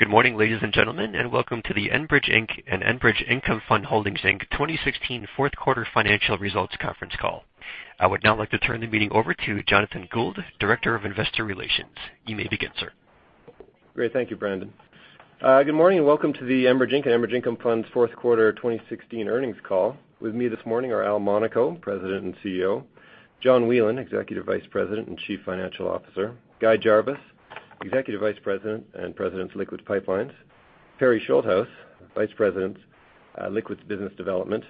Good morning, ladies and gentlemen, and welcome to the Enbridge Inc. and Enbridge Income Fund Holdings Inc. 2016 fourth quarter financial results conference call. I would now like to turn the meeting over to Jonathan Gould, Director of Investor Relations. You may begin, sir. Great. Thank you, Brandon. Good morning and welcome to the Enbridge Inc. and Enbridge Income Funds fourth quarter 2016 earnings call. With me this morning are Al Monaco, President and CEO, John Whelan, Executive Vice President and Chief Financial Officer, Guy Jarvis, Executive Vice President and President of Liquids Pipelines, Perry Schuldhaus, Vice President, Liquids Business Development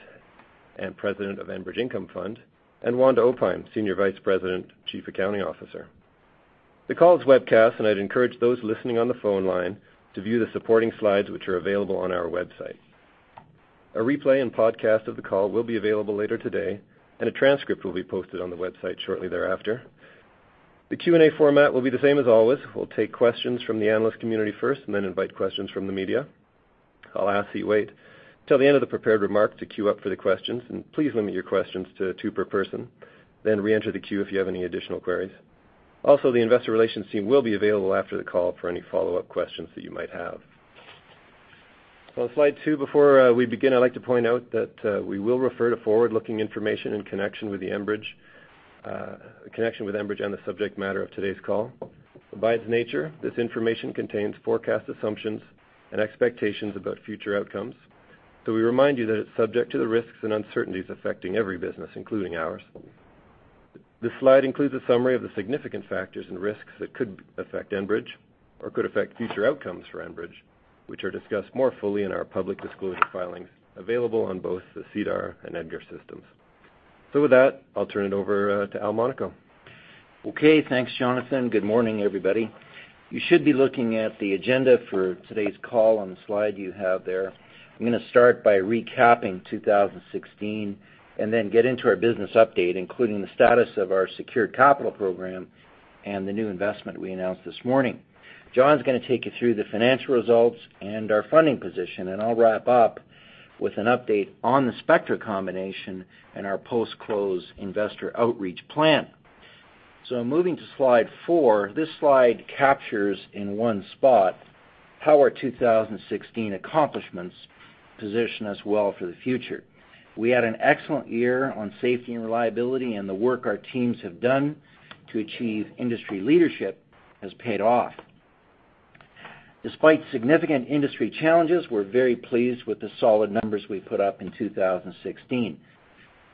and President of Enbridge Income Fund, and Wanda Opheim, Senior Vice President and Chief Accounting Officer. The call is webcast, and I'd encourage those listening on the phone line to view the supporting slides which are available on our website. A replay and podcast of the call will be available later today, and a transcript will be posted on the website shortly thereafter. The Q&A format will be the same as always. We'll take questions from the analyst community first, and then invite questions from the media. I'll ask that you wait till the end of the prepared remarks to queue up for the questions, and please limit your questions to two per person, then re-enter the queue if you have any additional queries. The investor relations team will be available after the call for any follow-up questions that you might have. On slide two, before we begin, I'd like to point out that we will refer to forward-looking information in connection with Enbridge on the subject matter of today's call. By its nature, this information contains forecast assumptions and expectations about future outcomes. We remind you that it's subject to the risks and uncertainties affecting every business, including ours. This slide includes a summary of the significant factors and risks that could affect Enbridge or could affect future outcomes for Enbridge, which are discussed more fully in our public disclosure filings available on both the SEDAR and EDGAR systems. With that, I'll turn it over to Al Monaco. Okay. Thanks, Jonathan. Good morning, everybody. You should be looking at the agenda for today's call on the slide you have there. I'm gonna start by recapping 2016 and then get into our business update, including the status of our secured capital program and the new investment we announced this morning. John's gonna take you through the financial results and our funding position, and I'll wrap up with an update on the Spectra combination and our post-close investor outreach plan. Moving to slide four, this slide captures in one spot how our 2016 accomplishments position us well for the future. We had an excellent year on safety and reliability, and the work our teams have done to achieve industry leadership has paid off. Despite significant industry challenges, we're very pleased with the solid numbers we put up in 2016.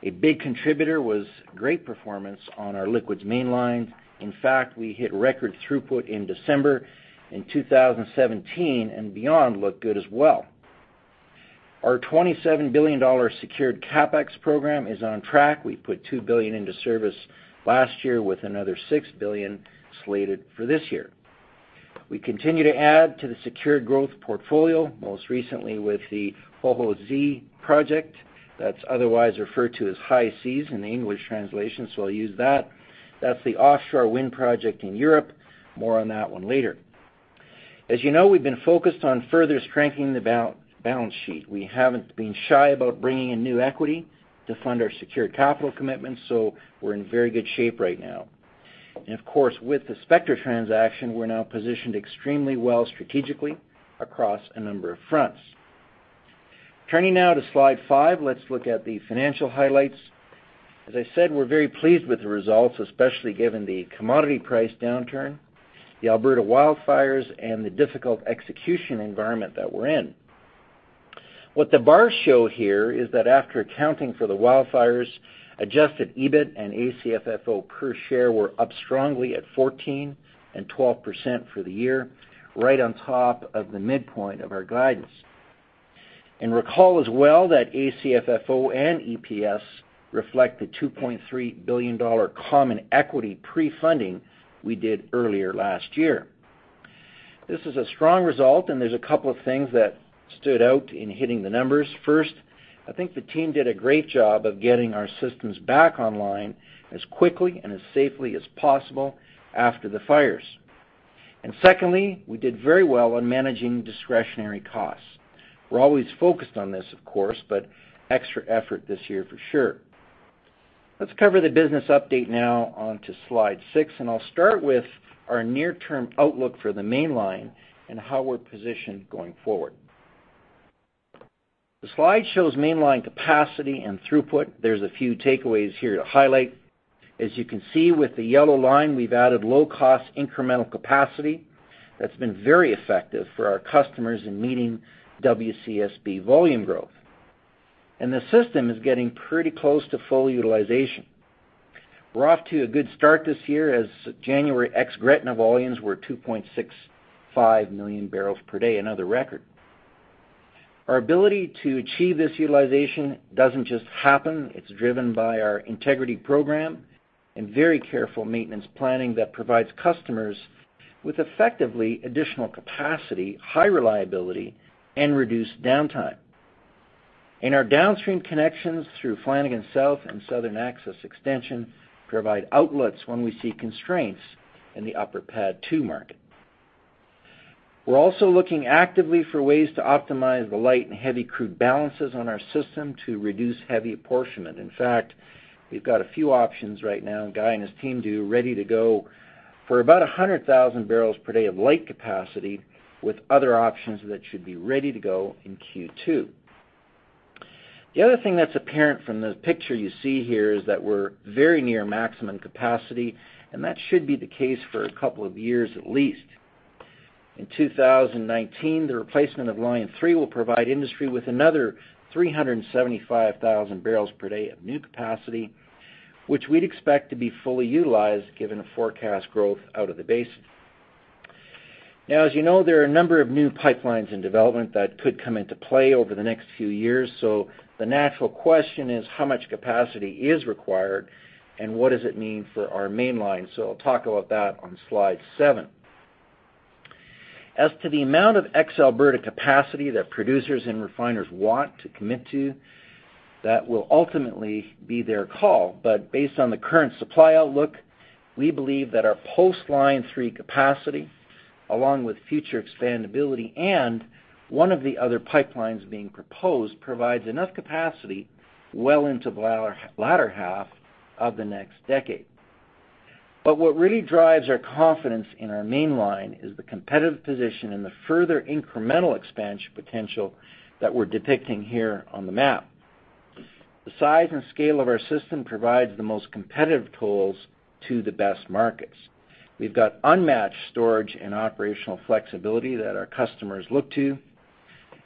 A big contributor was great performance on our liquids Mainline. In fact, we hit record throughput in December. 2017 and beyond look good as well. Our 27 billion dollar secured CapEx program is on track. We put 2 billion into service last year with another 6 billion slated for this year. We continue to add to the secured growth portfolio, most recently with the Hohe See project that's otherwise referred to as High Seas in the English translation. I'll use that. That's the offshore wind project in Europe. More on that one later. As you know, we've been focused on further strengthening the balance sheet. We haven't been shy about bringing in new equity to fund our secured capital commitments. We're in very good shape right now. Of course, with the Spectra transaction, we're now positioned extremely well strategically across a number of fronts. Turning now to slide five, let's look at the financial highlights. As I said, we're very pleased with the results, especially given the commodity price downturn, the Alberta wildfires, and the difficult execution environment that we're in. What the bars show here is that after accounting for the wildfires, adjusted EBIT and ACFFO per share were up strongly at 14% and 12% for the year, right on top of the midpoint of our guidance. Recall as well that ACFFO and EPS reflect the 2.3 billion dollar common equity pre-funding we did earlier last year. This is a strong result, there's a couple of things that stood out in hitting the numbers. First, I think the team did a great job of getting our systems back online as quickly and as safely as possible after the fires. Secondly, we did very well on managing discretionary costs. We're always focused on this, of course, but extra effort this year for sure. Let's cover the business update now on to slide six. I'll start with our near-term outlook for the Mainline and how we're positioned going forward. The slide shows Mainline capacity and throughput. There's a few takeaways here to highlight. As you can see with the yellow line, we've added low-cost incremental capacity that's been very effective for our customers in meeting WCSB volume growth. The system is getting pretty close to full utilization. We're off to a good start this year as January ex-Gretna volumes were 2.65 million barrels per day, another record. Our ability to achieve this utilization doesn't just happen. It's driven by our integrity program and very careful maintenance planning that provides customers with effectively additional capacity, high reliability, and reduced downtime. Our downstream connections through Flanagan South and Southern Access Extension provide outlets when we see constraints in the upper PADD 2 market. We're also looking actively for ways to optimize the light and heavy crude balances on our system to reduce heavy apportionment. In fact, we've got a few options right now, Guy and his team do, ready to go for about 100,000 barrels per day of light capacity with other options that should be ready to go in Q2. The other thing that's apparent from the picture you see here is that we're very near maximum capacity, and that should be the case for a couple of years at least. In 2019, the replacement of Line 3 will provide industry with another 375,000 barrels per day of new capacity, which we'd expect to be fully utilized given the forecast growth out of the basin. As you know, there are a number of new pipelines in development that could come into play over the next few years. The natural question is, how much capacity is required, and what does it mean for our Mainline? I'll talk about that on slide seven. As to the amount of ex Alberta capacity that producers and refiners want to commit to, that will ultimately be their call. Based on the current supply outlook, we believe that our post Line 3 capacity, along with future expandability and one of the other pipelines being proposed, provides enough capacity well into the latter half of the next decade. What really drives our confidence in our Mainline is the competitive position and the further incremental expansion potential that we're depicting here on the map. The size and scale of our system provides the most competitive tools to the best markets. We've got unmatched storage and operational flexibility that our customers look to,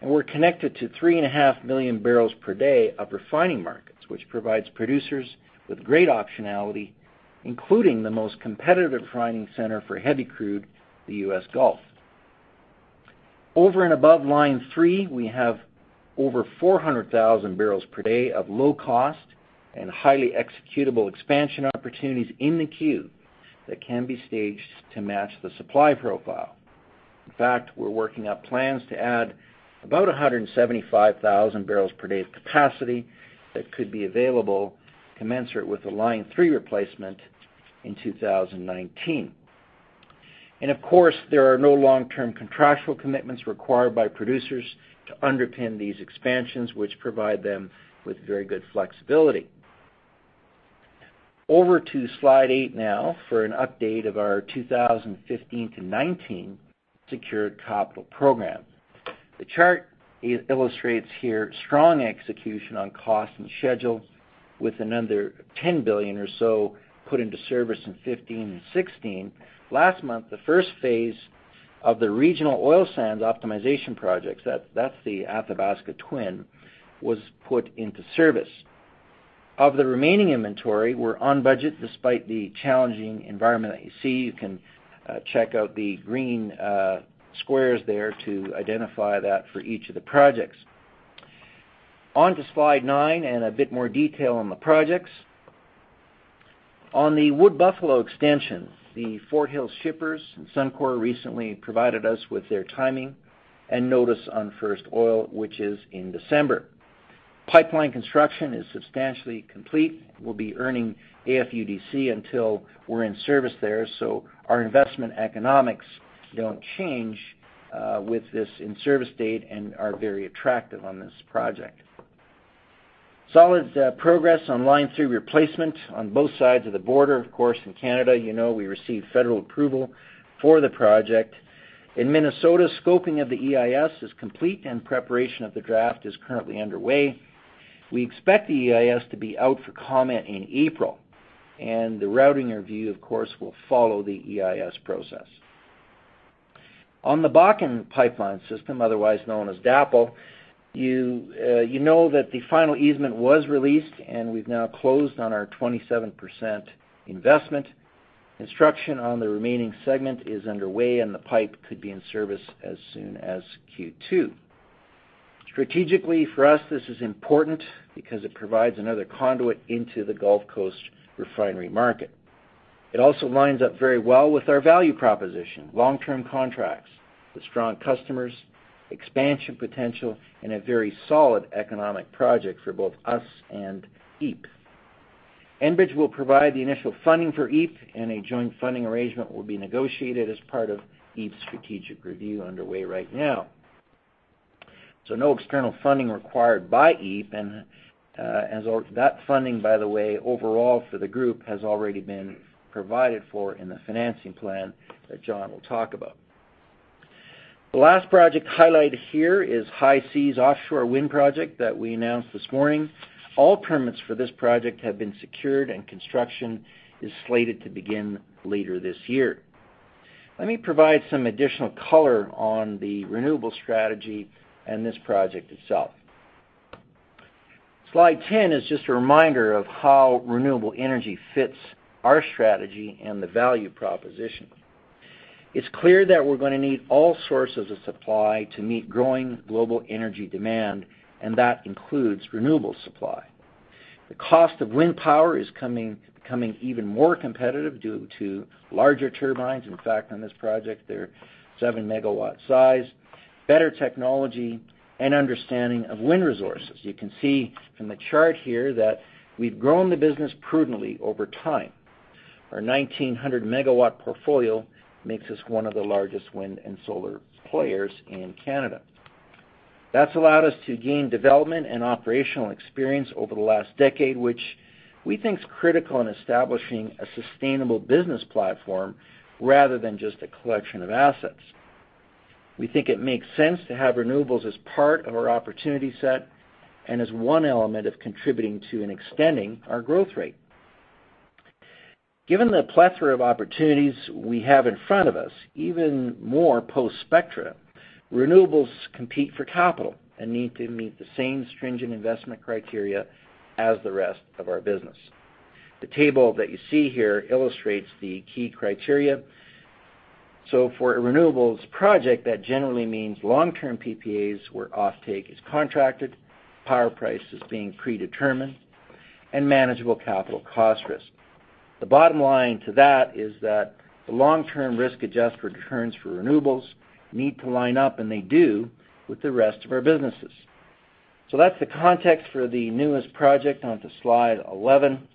and we're connected to 3.5 million barrels per day of refining markets, which provides producers with great optionality, including the most competitive refining center for heavy crude, the U.S. Gulf. Over and above Line 3, we have over 400,000 barrels per day of low cost and highly executable expansion opportunities in the queue that can be staged to match the supply profile. We're working up plans to add about 175,000 barrels per day of capacity that could be available commensurate with the Line 3 replacement in 2019. There are no long-term contractual commitments required by producers to underpin these expansions, which provide them with very good flexibility. Over to slide eight now for an update of our 2015-2019 secured capital program. The chart illustrates here strong execution on cost and schedule with another 10 billion or so put into service in 2015 and 2016. Last month, the first phase of the Regional Oil Sands Optimization projects, that's the Athabasca Twin, was put into service. Of the remaining inventory, we're on budget despite the challenging environment that you see. You can check out the green squares there to identify that for each of the projects. On to slide nine and a bit more detail on the projects. On the Wood Buffalo Extension, the Fort Hills shippers and Suncor recently provided us with their timing and notice on first oil, which is in December. Pipeline construction is substantially complete. We'll be earning AFUDC until we're in service there, so our investment economics don't change with this in-service date and are very attractive on this project. Solid progress on Line 3 replacement on both sides of the border. Of course, in Canada, you know we received federal approval for the project. In Minnesota, scoping of the EIS is complete and preparation of the draft is currently underway. We expect the EIS to be out for comment in April, and the routing review, of course, will follow the EIS process. On the Bakken pipeline system, otherwise known as DAPL, you know that the final easement was released, and we've now closed on our 27% investment. Construction on the remaining segment is underway, and the pipe could be in service as soon as Q2. Strategically for us, this is important because it provides another conduit into the Gulf Coast refinery market. It also lines up very well with our value proposition, long-term contracts with strong customers, expansion potential, and a very solid economic project for both us and EEP. Enbridge will provide the initial funding for EEP, and a joint funding arrangement will be negotiated as part of EEP's strategic review underway right now. No external funding required by EEP, and that funding, by the way, overall for the group has already been provided for in the financing plan that John will talk about. The last project highlighted here is High See offshore wind project that we announced this morning. All permits for this project have been secured and construction is slated to begin later this year. Let me provide some additional color on the renewable strategy and this project itself. Slide 10 is just a reminder of how renewable energy fits our strategy and the value proposition. It's clear that we're gonna need all sources of supply to meet growing global energy demand, and that includes renewable supply. The cost of wind power is becoming even more competitive due to larger turbines. In fact, on this project, they're 7 MW size, better technology, and understanding of wind resources. You can see from the chart here that we've grown the business prudently over time. Our 1,900 MW portfolio makes us one of the largest wind and solar players in Canada. That's allowed us to gain development and operational experience over the last decade, which we think is critical in establishing a sustainable business platform rather than just a collection of assets. We think it makes sense to have renewables as part of our opportunity set and as one element of contributing to and extending our growth rate. Given the plethora of opportunities we have in front of us, even more post-Spectra, renewables compete for capital and need to meet the same stringent investment criteria as the rest of our business. The table that you see here illustrates the key criteria. For a renewables project, that generally means long-term PPAs where offtake is contracted, power price is being predetermined, and manageable capital cost risk. The bottom line to that is that the long-term risk-adjusted returns for renewables need to line up, and they do, with the rest of our businesses. That's the context for the newest project onto slide 11.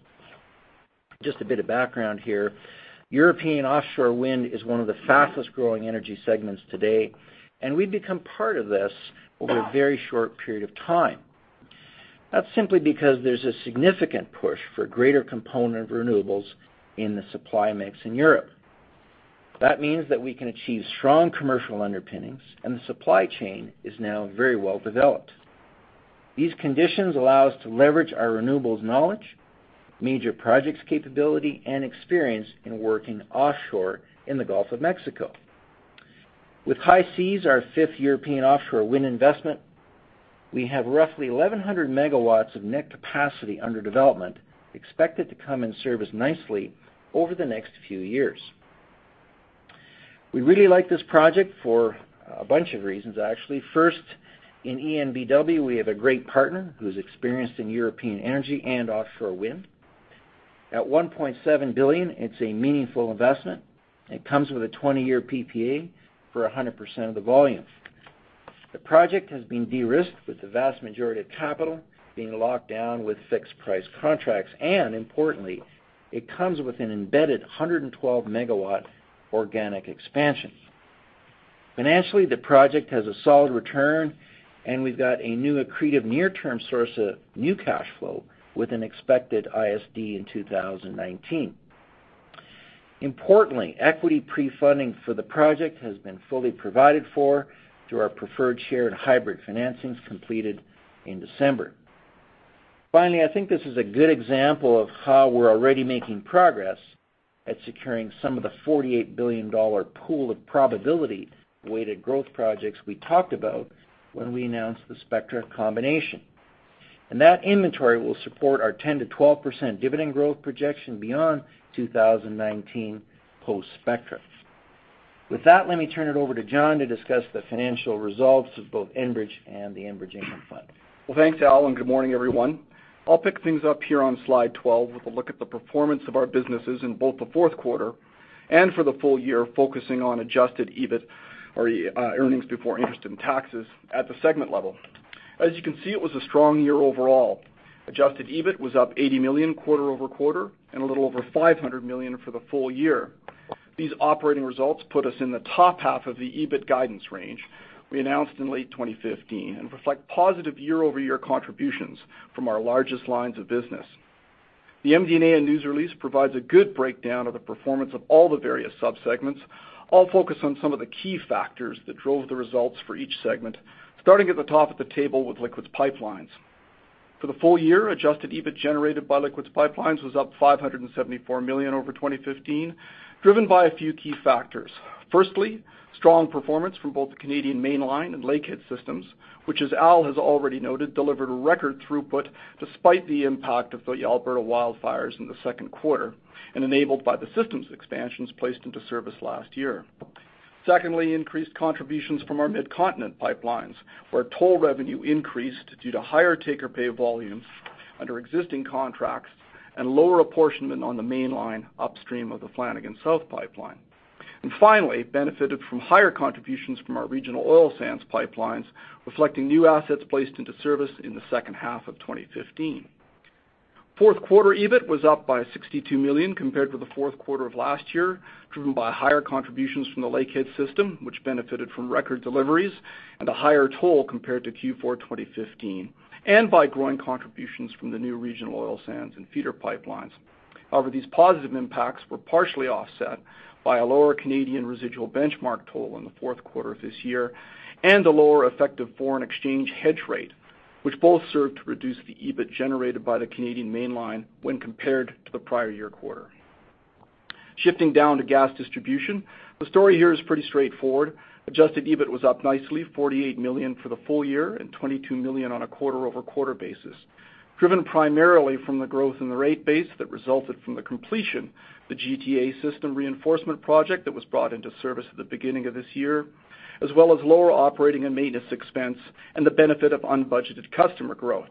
Just a bit of background here. European offshore wind is one of the fastest-growing energy segments today, and we've become part of this over a very short period of time. That's simply because there's a significant push for a greater component of renewables in the supply mix in Europe. That means that we can achieve strong commercial underpinnings, the supply chain is now very well developed. These conditions allow us to leverage our renewables knowledge, major projects capability, and experience in working offshore in the Gulf of Mexico. With Hohe See, our fifth European offshore wind investment, we have roughly 1,100 MW of net capacity under development, expected to come in service nicely over the next few years. We really like this project for a bunch of reasons, actually. First, in EnBW, we have a great partner who's experienced in European energy and offshore wind. At 1.7 billion, it's a meaningful investment. It comes with a 20-year PPA for 100% of the volume. The project has been de-risked, with the vast majority of capital being locked down with fixed-price contracts. Importantly, it comes with an embedded 112 MW organic expansion. Financially, the project has a solid return, and we've got a new accretive near-term source of new cash flow with an expected ISD in 2019. Importantly, equity pre-funding for the project has been fully provided for through our preferred share and hybrid financings completed in December. I think this is a good example of how we're already making progress at securing some of the 48 billion dollar pool of probability-weighted growth projects we talked about when we announced the Spectra combination. That inventory will support our 10%-12% dividend growth projection beyond 2019 post-Spectra. With that, let me turn it over to John to discuss the financial results of both Enbridge and the Enbridge Income Fund. Well, thanks, Al. Good morning, everyone. I'll pick things up here on slide 12 with a look at the performance of our businesses in both the fourth quarter and for the full year, focusing on adjusted EBIT or earnings before interest and taxes at the segment level. As you can see, it was a strong year overall. Adjusted EBIT was up 80 million quarter-over-quarter and a little over 500 million for the full year. These operating results put us in the top half of the EBIT guidance range we announced in late 2015 and reflect positive year-over-year contributions from our largest lines of business. The MD&A news release provides a good breakdown of the performance of all the various subsegments. I'll focus on some of the key factors that drove the results for each segment, starting at the top of the table with liquids pipelines. For the full year, adjusted EBIT generated by liquids pipelines was up 574 million over 2015, driven by a few key factors. Firstly, strong performance from both the Canadian Mainline and Lakehead System, which, as Al has already noted, delivered a record throughput despite the impact of the Alberta wildfires in the second quarter and enabled by the systems expansions placed into service last year. Secondly, increased contributions from our Midcontinent pipelines, where toll revenue increased due to higher take-or-pay volumes under existing contracts and lower apportionment on the mainline upstream of the Flanagan South Pipeline. Finally, benefited from higher contributions from our regional oil sands pipelines, reflecting new assets placed into service in the second half of 2015. Fourth quarter EBIT was up by 62 million compared to the fourth quarter of last year, driven by higher contributions from the Lakehead System, which benefited from record deliveries and a higher toll compared to Q4 2015, and by growing contributions from the new Regional Oil Sands and feeder pipelines. These positive impacts were partially offset by a lower Canadian residual benchmark toll in the fourth quarter of this year and a lower effective foreign exchange hedge rate, which both served to reduce the EBIT generated by the Canadian Mainline when compared to the prior year quarter. Shifting down to gas distribution, the story here is pretty straightforward. Adjusted EBIT was up nicely, 48 million for the full year and 22 million on a quarter-over-quarter basis. Driven primarily from the growth in the rate base that resulted from the completion of the GTA System Reinforcement Project that was brought into service at the beginning of this year, as well as lower operating and maintenance expense and the benefit of unbudgeted customer growth.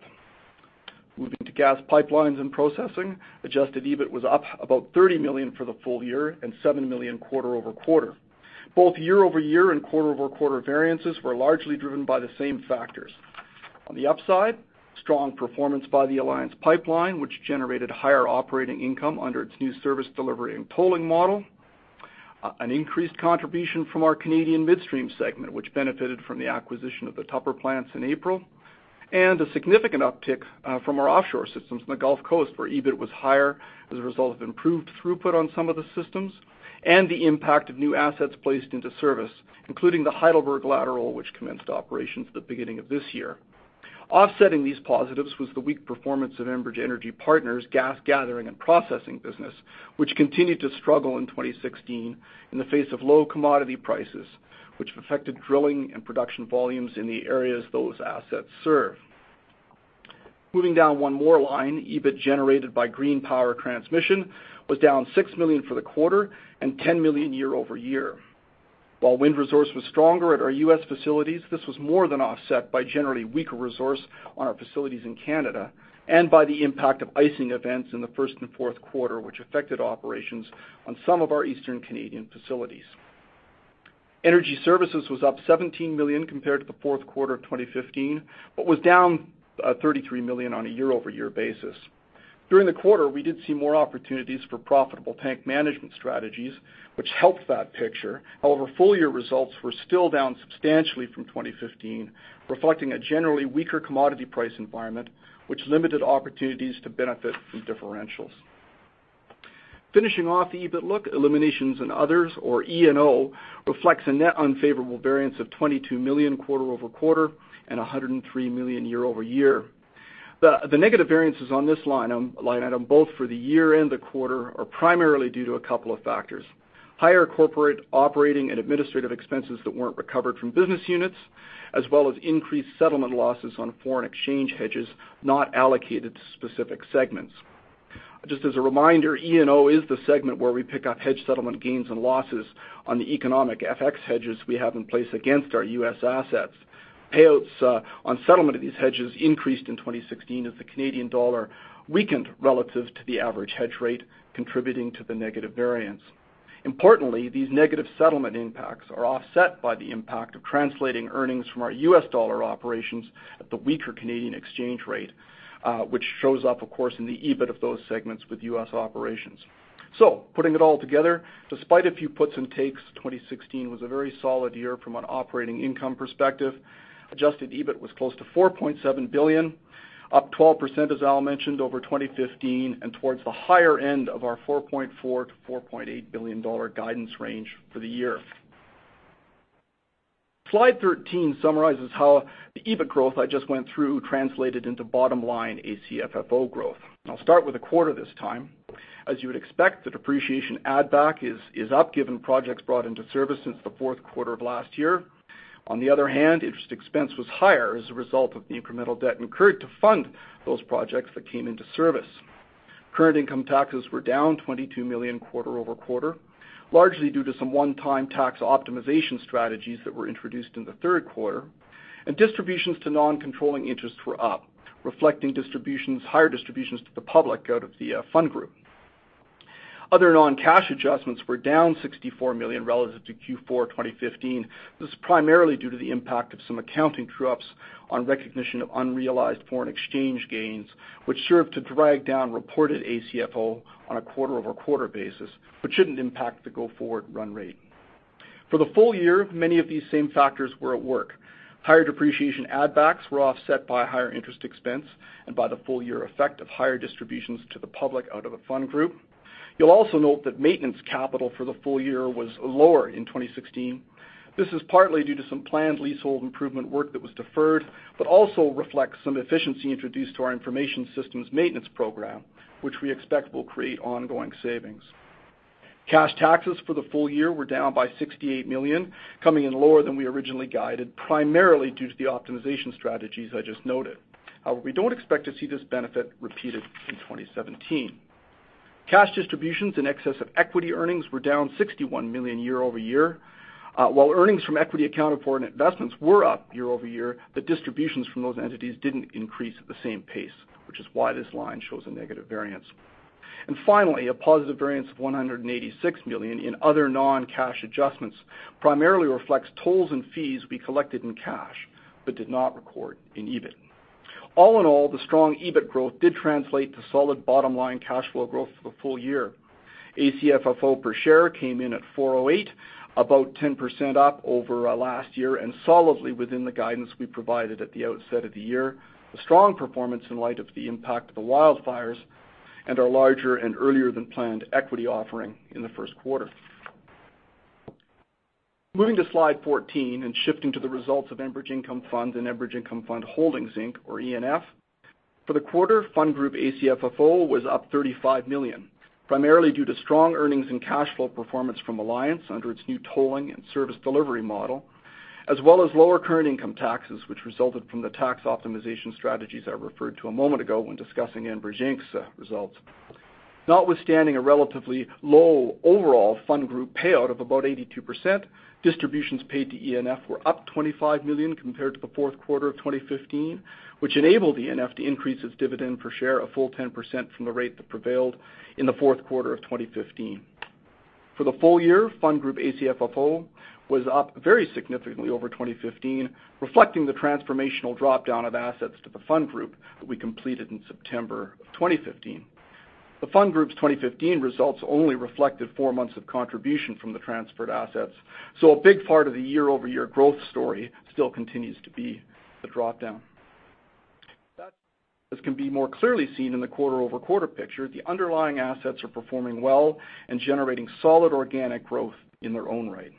Moving to gas pipelines and processing, adjusted EBIT was up about 30 million for the full year and 7 million quarter-over-quarter. Both year-over-year and quarter-over-quarter variances were largely driven by the same factors. On the upside, strong performance by the Alliance Pipeline, which generated higher operating income under its new service delivery and tolling model. An increased contribution from our Canadian midstream segment, which benefited from the acquisition of the Tupper plants in April. A significant uptick from our offshore systems in the Gulf Coast, where EBIT was higher as a result of improved throughput on some of the systems and the impact of new assets placed into service, including the Heidelberg Lateral, which commenced operations at the beginning of this year. Offsetting these positives was the weak performance of Enbridge Energy Partners gas gathering and processing business, which continued to struggle in 2016 in the face of low commodity prices, which affected drilling and production volumes in the areas those assets serve. Moving down one more line, EBIT generated by Green Power Transmission was down 6 million for the quarter and 10 million year-over-year. While wind resource was stronger at our U.S. facilities, this was more than offset by generally weaker resource on our facilities in Canada and by the impact of icing events in the first and fourth quarter, which affected operations on some of our Eastern Canadian facilities. Energy Services was up 17 million compared to the fourth quarter of 2015, but was down 33 million on a year-over-year basis. During the quarter, we did see more opportunities for profitable tank management strategies, which helped that picture. However, full-year results were still down substantially from 2015, reflecting a generally weaker commodity price environment, which limited opportunities to benefit from differentials. Finishing off the EBIT look, Eliminations and Others, or E&O, reflects a net unfavorable variance of 22 million quarter-over-quarter and 103 million year-over-year. The negative variances on this line item, both for the year and the quarter, are primarily due to a couple of factors. Higher corporate operating and administrative expenses that weren't recovered from business units, as well as increased settlement losses on foreign exchange hedges not allocated to specific segments. Just as a reminder, E&O is the segment where we pick up hedge settlement gains and losses on the economic FX hedges we have in place against our U.S. assets. Payouts on settlement of these hedges increased in 2016 as the Canadian dollar weakened relative to the average hedge rate, contributing to the negative variance. Importantly, these negative settlement impacts are offset by the impact of translating earnings from our U.S. dollar operations at the weaker Canadian exchange rate, which shows up, of course, in the EBIT of those segments with U.S. operations. Putting it all together, despite a few puts and takes, 2016 was a very solid year from an operating income perspective. Adjusted EBIT was close to 4.7 billion, up 12%, as Al mentioned, over 2015 and towards the higher end of our 4.4 billion-4.8 billion dollar guidance range for the year. Slide 13 summarizes how the EBIT growth I just went through translated into bottom-line ACFFO growth. I'll start with the quarter this time. As you would expect, the depreciation add back is up given projects brought into service since the fourth quarter of last year. On the other hand, interest expense was higher as a result of the incremental debt incurred to fund those projects that came into service. Current income taxes were down 22 million quarter-over-quarter, largely due to some one-time tax optimization strategies that were introduced in the third quarter. Distributions to non-controlling interests were up, reflecting distributions, higher distributions to the public out of the fund group. Other non-cash adjustments were down 64 million relative to Q4 2015. This is primarily due to the impact of some accounting true-ups on recognition of unrealized foreign exchange gains, which served to drag down reported ACFFO on a quarter-over-quarter basis, but shouldn't impact the go-forward run rate. For the full year, many of these same factors were at work. Higher depreciation add backs were offset by higher interest expense and by the full-year effect of higher distributions to the public out of the fund group. You'll also note that maintenance capital for the full year was lower in 2016. This is partly due to some planned leasehold improvement work that was deferred, but also reflects some efficiency introduced to our information systems maintenance program, which we expect will create ongoing savings. Cash taxes for the full year were down by 68 million, coming in lower than we originally guided, primarily due to the optimization strategies I just noted. However, we don't expect to see this benefit repeated in 2017. Cash distributions in excess of equity earnings were down 61 million year-over-year. While earnings from equity accounted for in investments were up year-over-year, the distributions from those entities didn't increase at the same pace, which is why this line shows a negative variance. Finally, a positive variance of 186 million in other non-cash adjustments primarily reflects tolls and fees we collected in cash but did not record in EBIT. All in all, the strong EBIT growth did translate to solid bottom-line cash flow growth for the full year. ACFFO per share came in at 4.08, about 10% up over last year and solidly within the guidance we provided at the outset of the year. A strong performance in light of the impact of the wildfires and our larger and earlier than planned equity offering in the first quarter. Moving to slide 14 and shifting to the results of Enbridge Income Fund and Enbridge Income Fund Holdings, Inc., or ENF. For the quarter, fund group ACFFO was up 35 million, primarily due to strong earnings and cash flow performance from Alliance under its new tolling and service delivery model, as well as lower current income taxes, which resulted from the tax optimization strategies I referred to a moment ago when discussing Enbridge Inc.'s results. Notwithstanding a relatively low overall fund group payout of about 82%, distributions paid to ENF were up 25 million compared to the fourth quarter of 2015, which enabled ENF to increase its dividend per share a full 10% from the rate that prevailed in the fourth quarter of 2015. For the full year, fund group ACFFO was up very significantly over 2015, reflecting the transformational drop-down of assets to the fund group that we completed in September of 2015. The fund group's 2015 results only reflected four months of contribution from the transferred assets. A big part of the year-over-year growth story still continues to be the drop-down. As can be more clearly seen in the quarter-over-quarter picture, the underlying assets are performing well and generating solid organic growth in their own right.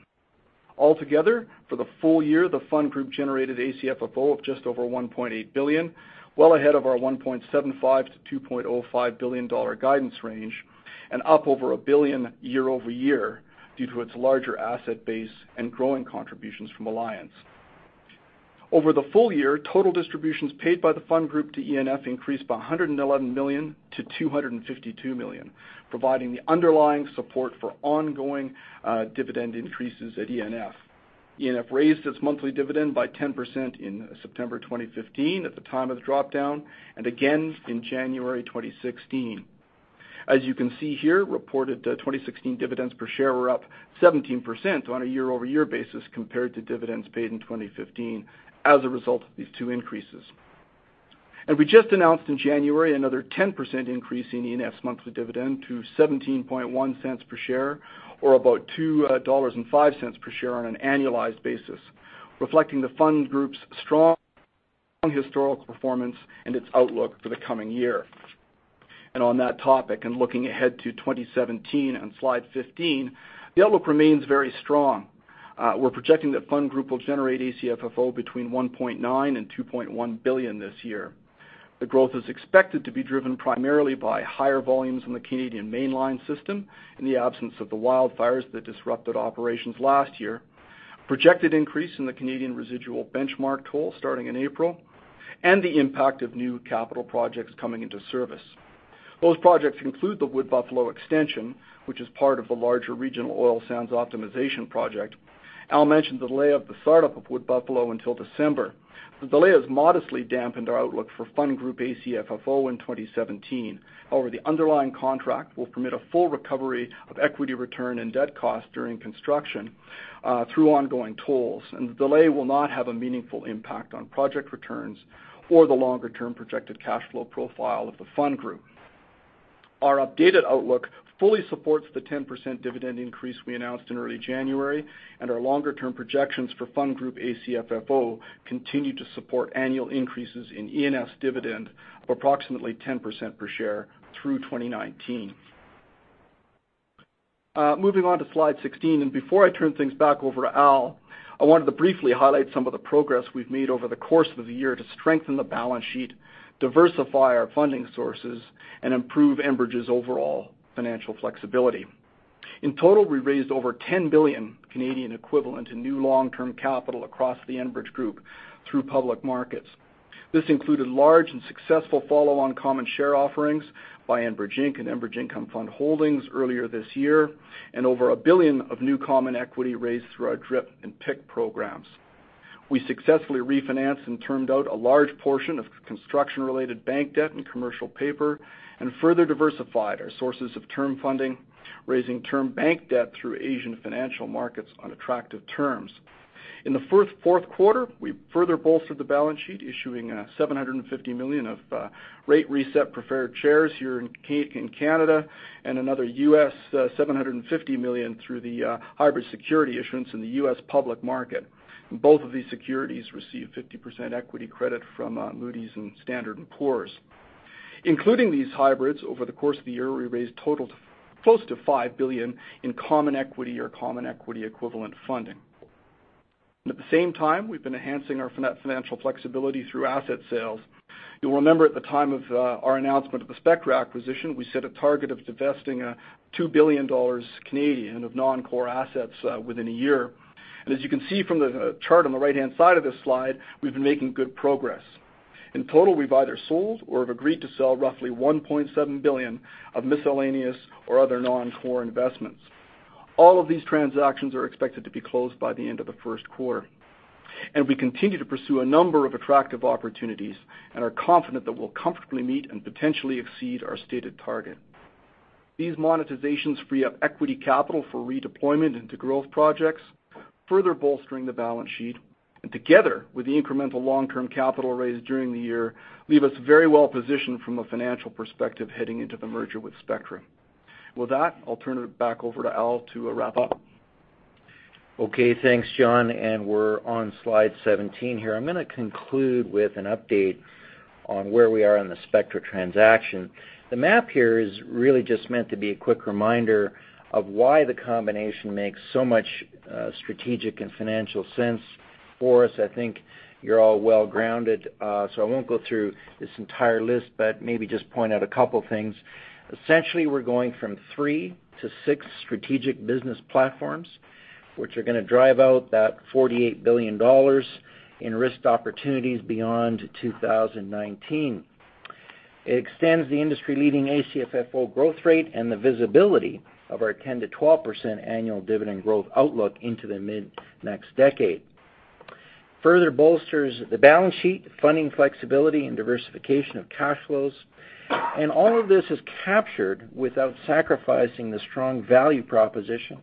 Altogether, for the full year, the Fund Group generated ACFFO of just over 1.8 billion, well ahead of our 1.75 billion-2.05 billion dollar guidance range, and up over 1 billion year-over-year due to its larger asset base and growing contributions from Alliance. Over the full year, total distributions paid by the Fund Group to ENF increased by 111 million to 252 million, providing the underlying support for ongoing dividend increases at ENF. ENF raised its monthly dividend by 10% in September 2015 at the time of the drop-down, and again in January 2016. As you can see here, reported 2016 dividends per share were up 17% on a year-over-year basis compared to dividends paid in 2015 as a result of these two increases. We just announced in January another 10% increase in ENF's monthly dividend to 0.171 per share, or about 2.05 dollars per share on an annualized basis, reflecting the Fund Group's strong historical performance and its outlook for the coming year. On that topic, looking ahead to 2017 on slide 15, the outlook remains very strong. We're projecting that Fund Group will generate ACFFO between 1.9 billion and 2.1 billion this year. The growth is expected to be driven primarily by higher volumes in the Canadian Mainline System in the absence of the wildfires that disrupted operations last year, projected increase in the Canadian residual benchmark toll starting in April, and the impact of new capital projects coming into service. Those projects include the Wood Buffalo Extension, which is part of the larger Regional Oil Sands Optimization project. Al mentioned the delay of the startup of Wood Buffalo until December. The delay has modestly dampened our outlook for Fund Group ACFFO in 2017. The underlying contract will permit a full recovery of equity return and debt cost during construction through ongoing tolls, and the delay will not have a meaningful impact on project returns or the longer-term projected cash flow profile of the Fund Group. Our updated outlook fully supports the 10% dividend increase we announced in early January, and our longer-term projections for Fund Group ACFFO continue to support annual increases in ENF's dividend of approximately 10% per share through 2019. Moving on to slide 16, and before I turn things back over to Al, I wanted to briefly highlight some of the progress we've made over the course of the year to strengthen the balance sheet, diversify our funding sources, and improve Enbridge's overall financial flexibility. In total, we raised over 10 billion equivalent in new long-term capital across the Enbridge Group through public markets. This included large and successful follow-on common share offerings by Enbridge Inc. and Enbridge Income Fund Holdings earlier this year, and over 1 billion of new common equity raised through our DRIP and PIC programs. We successfully refinanced and termed out a large portion of construction-related bank debt and commercial paper and further diversified our sources of term funding, raising term bank debt through Asian financial markets on attractive terms. In the first fourth quarter, we further bolstered the balance sheet, issuing 750 million of rate reset preferred shares here in Canada and another 750 million through the hybrid security issuance in the U.S. public market. Both of these securities received 50% equity credit from Moody's and Standard & Poor's. Including these hybrids, over the course of the year, we raised total to close to 5 billion in common equity or common equity equivalent funding. At the same time, we've been enhancing our financial flexibility through asset sales. You'll remember at the time of our announcement of the Spectra acquisition, we set a target of divesting 2 billion Canadian dollars of non-core assets within a year. As you can see from the chart on the right-hand side of this slide, we've been making good progress. In total, we've either sold or have agreed to sell roughly 1.7 billion of miscellaneous or other non-core investments. All of these transactions are expected to be closed by the end of the first quarter. We continue to pursue a number of attractive opportunities and are confident that we'll comfortably meet and potentially exceed our stated target. These monetizations free up equity capital for redeployment into growth projects, further bolstering the balance sheet, and together with the incremental long-term capital raised during the year, leave us very well positioned from a financial perspective heading into the merger with Spectra. With that, I'll turn it back over to Al to wrap up. Okay, thanks, John, and we're on slide 17 here. I'm going to conclude with an update on where we are on the Spectra transaction. The map here is really just meant to be a quick reminder of why the combination makes so much strategic and financial sense for us. I think you're all well-grounded, so I will not go through this entire list, but maybe just point out a couple things. Essentially, we're going from three to six strategic business platforms, which are going to drive out that 48 billion dollars in risked opportunities beyond 2019. It extends the industry-leading ACFFO growth rate and the visibility of our 10%-12% annual dividend growth outlook into the mid next decade. Further bolsters the balance sheet, funding flexibility, and diversification of cash flows. All of this is captured without sacrificing the strong value proposition,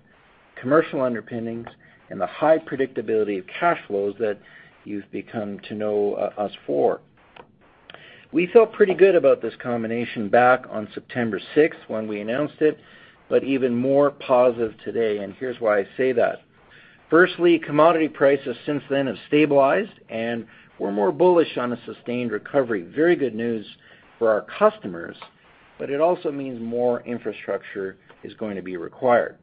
commercial underpinnings, and the high predictability of cash flows that you've become to know us for. We felt pretty good about this combination back on September 6 when we announced it, but even more positive today. Here's why I say that. Firstly, commodity prices since then have stabilized, and we're more bullish on a sustained recovery. Very good news for our customers, but it also means more infrastructure is going to be required.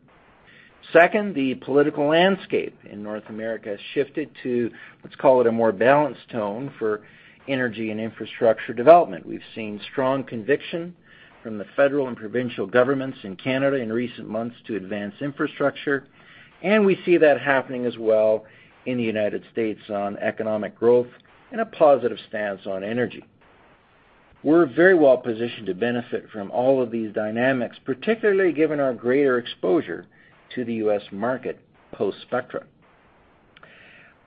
Second, the political landscape in North America has shifted to, let's call it, a more balanced tone for energy and infrastructure development. We've seen strong conviction from the federal and provincial governments in Canada in recent months to advance infrastructure, and we see that happening as well in the U.S. on economic growth and a positive stance on energy. We're very well-positioned to benefit from all of these dynamics, particularly given our greater exposure to the U.S. market post-Spectra.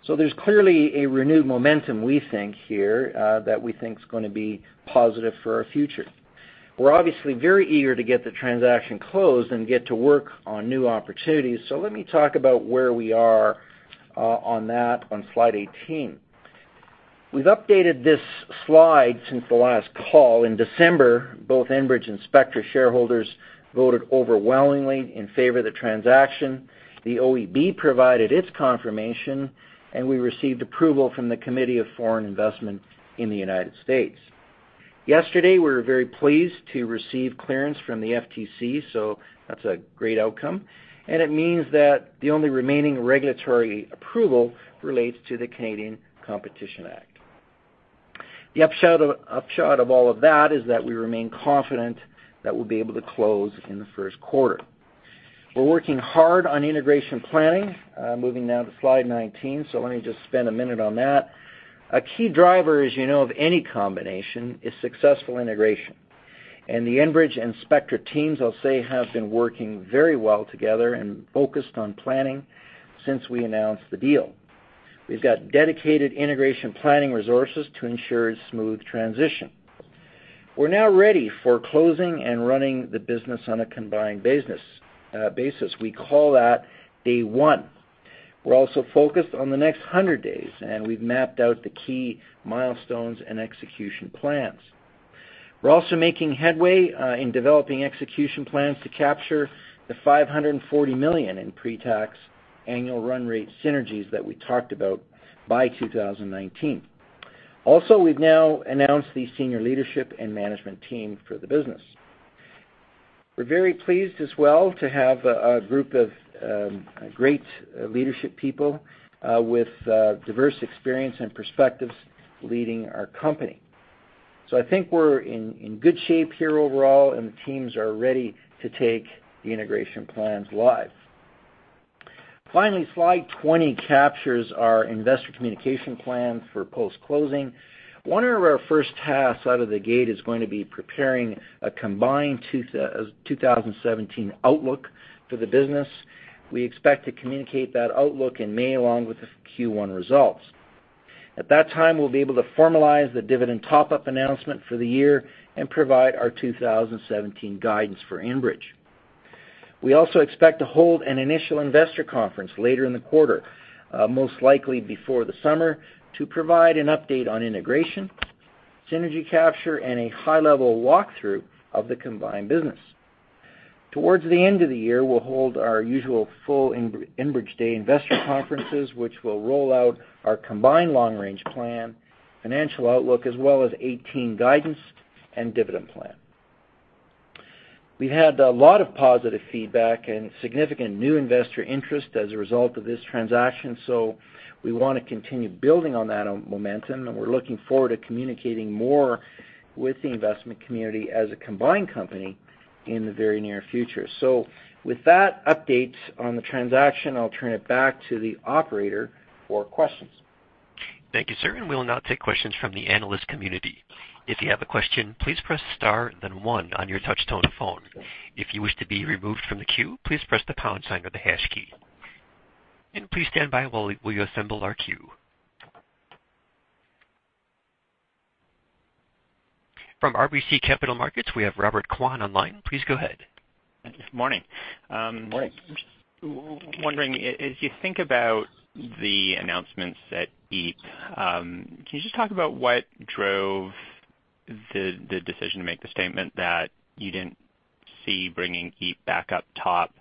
There's clearly a renewed momentum, we think, here, that we think is gonna be positive for our future. We're obviously very eager to get the transaction closed and get to work on new opportunities, let me talk about where we are on that on slide 18. We've updated this slide since the last call. In December, both Enbridge and Spectra shareholders voted overwhelmingly in favor of the transaction. The OEB provided its confirmation, and we received approval from the Committee on Foreign Investment in the U.S. Yesterday, we were very pleased to receive clearance from the FTC, that's a great outcome, and it means that the only remaining regulatory approval relates to the Canadian Competition Act. The upshot of all of that is that we remain confident that we'll be able to close in the first quarter. We're working hard on integration planning. Moving now to slide 19, let me just spend a minute on that. A key driver, as you know, of any combination is successful integration, the Enbridge and Spectra teams, I'll say, have been working very well together and focused on planning since we announced the deal. We've got dedicated integration planning resources to ensure a smooth transition. We're now ready for closing and running the business on a combined basis. We call that day one. We're also focused on the next 100 days, we've mapped out the key milestones and execution plans. We're also making headway in developing execution plans to capture the 540 million in pre-tax annual run rate synergies that we talked about by 2019. We've now announced the senior leadership and management team for the business. We're very pleased as well to have a group of great leadership people with diverse experience and perspectives leading our company. I think we're in good shape here overall, and the teams are ready to take the integration plans live. Finally, slide 20 captures our investor communication plan for post-closing. One of our first tasks out of the gate is going to be preparing a combined 2017 outlook for the business. We expect to communicate that outlook in May, along with the Q1 results. At that time, we'll be able to formalize the dividend top-up announcement for the year and provide our 2017 guidance for Enbridge. We also expect to hold an initial investor conference later in the quarter, most likely before the summer, to provide an update on integration, synergy capture, and a high-level walkthrough of the combined business. Towards the end of the year, we'll hold our usual full Enbridge Day investor conferences, which will roll out our combined long-range plan, financial outlook, as well as 2018 guidance and dividend plan. We've had a lot of positive feedback and significant new investor interest as a result of this transaction, so we wanna continue building on that momentum, and we're looking forward to communicating more with the investment community as a combined company in the very near future. With that update on the transaction, I'll turn it back to the operator for questions. Thank you, sir. We'll now take questions from the analyst community. If you have a question, please press star then one on your touch-tone phone. If you wish to be removed from the queue, please press the pound sign or the hash key. Please stand by while we assemble our queue. From RBC Capital Markets, we have Robert Kwan online. Please go ahead. Thank you. Morning. Morning. I'm just wondering, as you think about the announcements at EEP, can you just talk about what drove the decision to make the statement that you didn't see bringing EEP back up top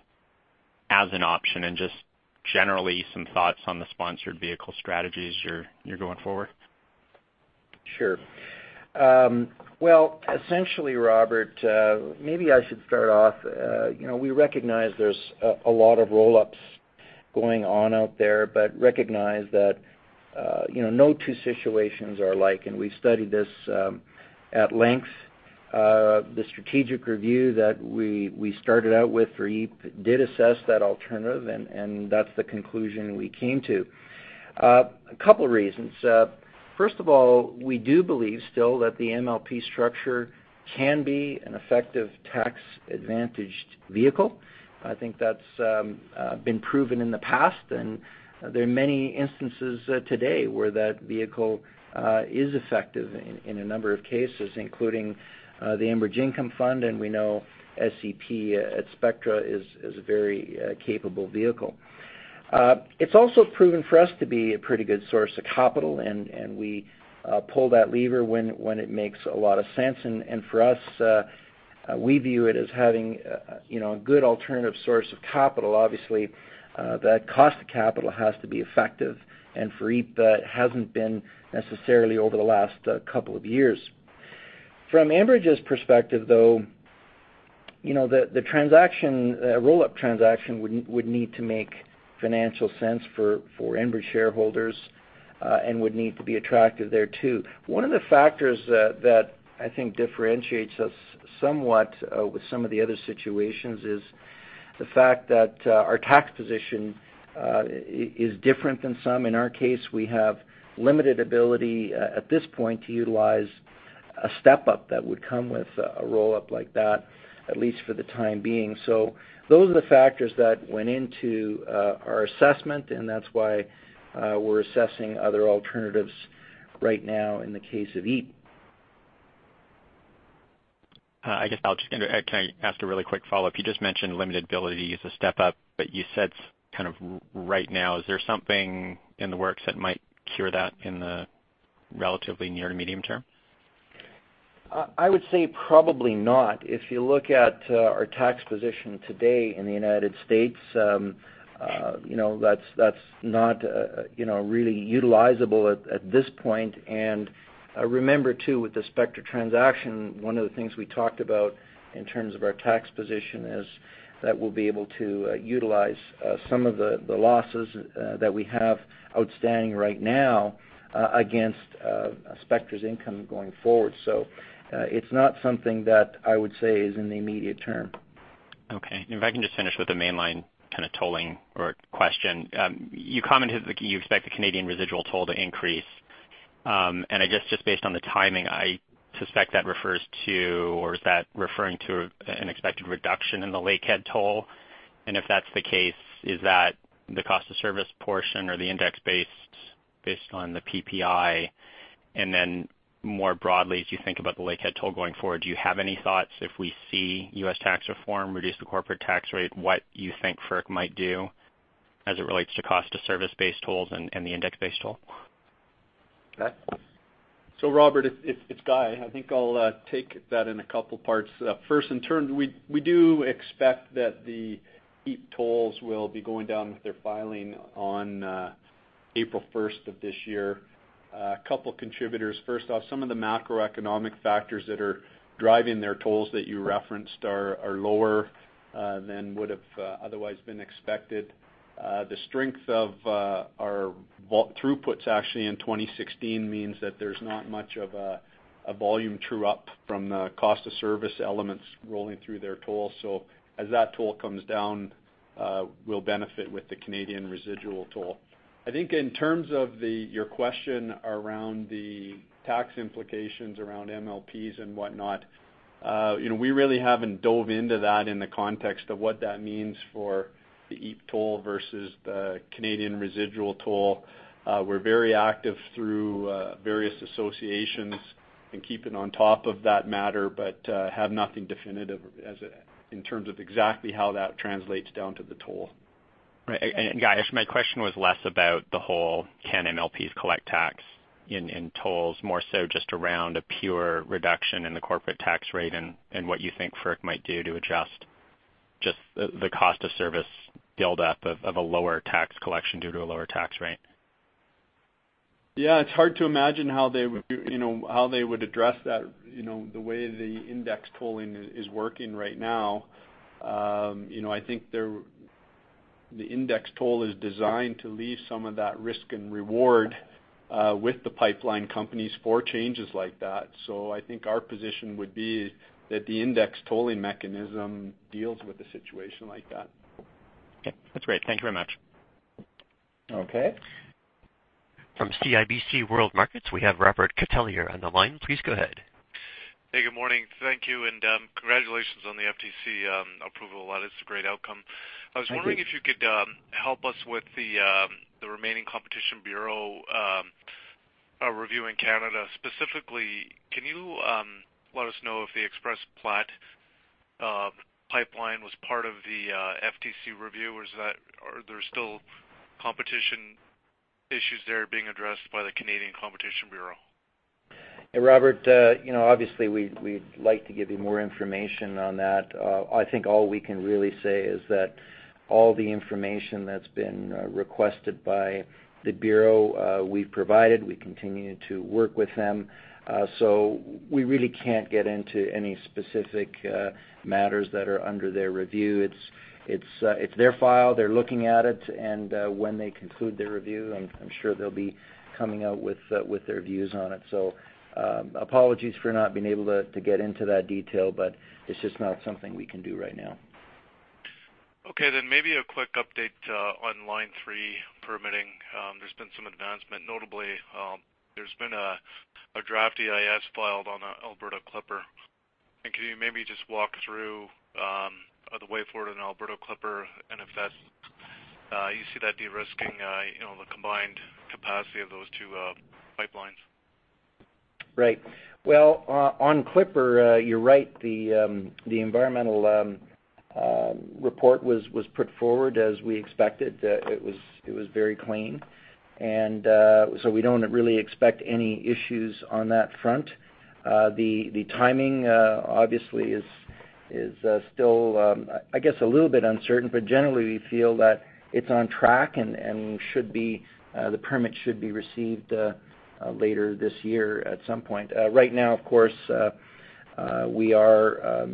as an option and just generally some thoughts on the sponsored vehicle strategies you're going forward? Sure. Well, essentially, Robert, maybe I should start off, you know, we recognize there's a lot of roll-ups going on out there, but recognize that, you know, no two situations are alike, and we studied this at length. The strategic review that we started out with for EEP did assess that alternative, and that's the conclusion we came to. A couple reasons. First of all, we do believe still that the MLP structure can be an effective tax-advantaged vehicle. I think that's been proven in the past, and there are many instances today where that vehicle is effective in a number of cases, including the Enbridge Income Fund, and we know SEP at Spectra is a very capable vehicle. It's also proven for us to be a pretty good source of capital and we pull that lever when it makes a lot of sense. For us, we view it as having, you know, a good alternative source of capital. Obviously, that cost of capital has to be effective. For EEP, that hasn't been necessarily over the last two years. From Enbridge's perspective, though, you know, the transaction, roll-up transaction would need to make financial sense for Enbridge shareholders and would need to be attractive there too. One of the factors that I think differentiates us somewhat with some of the other situations is the fact that our tax position is different than some. In our case, we have limited ability at this point to utilize a step-up that would come with a roll-up like that, at least for the time being. Those are the factors that went into our assessment, and that's why we're assessing other alternatives right now in the case of EEP. Can I ask a really quick follow-up? You just mentioned limited ability as a step-up, but you said kind of right now. Is there something in the works that might cure that in the relatively near to medium term? I would say probably not. If you look at our tax position today in the United States, you know, that's not, you know, really utilizable at this point. Remember too, with the Spectra transaction, one of the things we talked about in terms of our tax position is that we'll be able to utilize some of the losses that we have outstanding right now against Spectra's income going forward. It's not something that I would say is in the immediate term. Okay. If I can just finish with the Mainline kind of tolling or question? You commented that you expect the Canadian residual toll to increase. I guess just based on the timing, I suspect that refers to or is that referring to an expected reduction in the Lakehead toll? If that's the case, is that the cost of service portion or the index based on the PPI? More broadly, as you think about the Lakehead toll going forward, do you have any thoughts if we see U.S. tax reform reduce the corporate tax rate, what you think FERC might do as it relates to cost to service-based tolls and the index-based toll? Okay. Robert, it's Guy Jarvis. I think I'll take that in two parts. First, in turn, we do expect that the EEP tolls will be going down with their filing on April 1st of this year. A contributors. First off, some of the macroeconomic factors that are driving their tolls that you referenced are lower than would have otherwise been expected. The strength of our throughputs actually in 2016 means that there's not much of a volume true up from the cost of service elements rolling through their toll. As that toll comes down, we'll benefit with the Canadian residual toll. I think in terms of your question around the tax implications around MLPs and whatnot, you know, we really haven't dove into that in the context of what that means for the EEP toll versus the Canadian residual toll. We're very active through various associations in keeping on top of that matter, but have nothing definitive as in terms of exactly how that translates down to the toll. Right. Guy, I guess my question was less about the whole can MLPs collect tax in tolls, more so just around a pure reduction in the corporate tax rate and what you think FERC might do to adjust the cost of service build up of a lower tax collection due to a lower tax rate. Yeah, it's hard to imagine how they would, you know, how they would address that, you know, the way the index tolling is working right now. You know, I think the index toll is designed to leave some of that risk and reward, with the pipeline companies for changes like that. I think our position would be that the index tolling mechanism deals with a situation like that. Okay. That's great. Thank you very much. Okay. From CIBC World Markets, we have Robert Catellier on the line. Please go ahead. Hey, good morning. Thank you, and congratulations on the FTC approval. That is a great outcome. Thank you. I was wondering if you could help us with the remaining Competition Bureau review in Canada. Specifically, can you let us know if the Express-Platte pipeline was part of the FTC review? Are there still competition issues there being addressed by the Canadian Competition Bureau? Hey, Robert, you know, obviously, we'd like to give you more information on that. I think all we can really say is that all the information that's been requested by the Bureau, we've provided, we continue to work with them. We really can't get into any specific matters that are under their review. It's their file, they're looking at it, and when they conclude their review, I'm sure they'll be coming out with their views on it. Apologies for not being able to get into that detail, but it's just not something we can do right now. Okay, maybe a quick update on Line 3 permitting. There's been some advancement. Notably, there's been a draft EIS filed on Alberta Clipper. Can you maybe just walk through the way forward on Alberta Clipper and if that's, you see that de-risking, you know, the combined capacity of those two pipelines? Right. Well, on Clipper, you're right. The environmental report was put forward as we expected. It was very clean. We don't really expect any issues on that front. The timing obviously is still, I guess, a little bit uncertain, but generally, we feel that it's on track and should be, the permit should be received later this year at some point. Right now, of course, we are,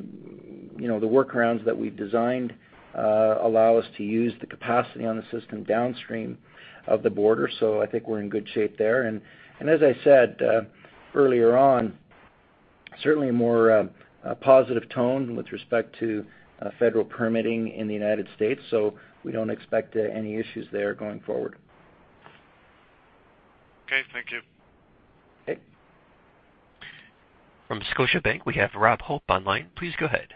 you know, the workarounds that we've designed allow us to use the capacity on the system downstream of the border. I think we're in good shape there. As I said, earlier on, certainly a more positive tone with respect to federal permitting in the U.S. We don't expect any issues there going forward. Okay. Thank you. Okay. From Scotiabank, we have Rob Hope online. Please go ahead.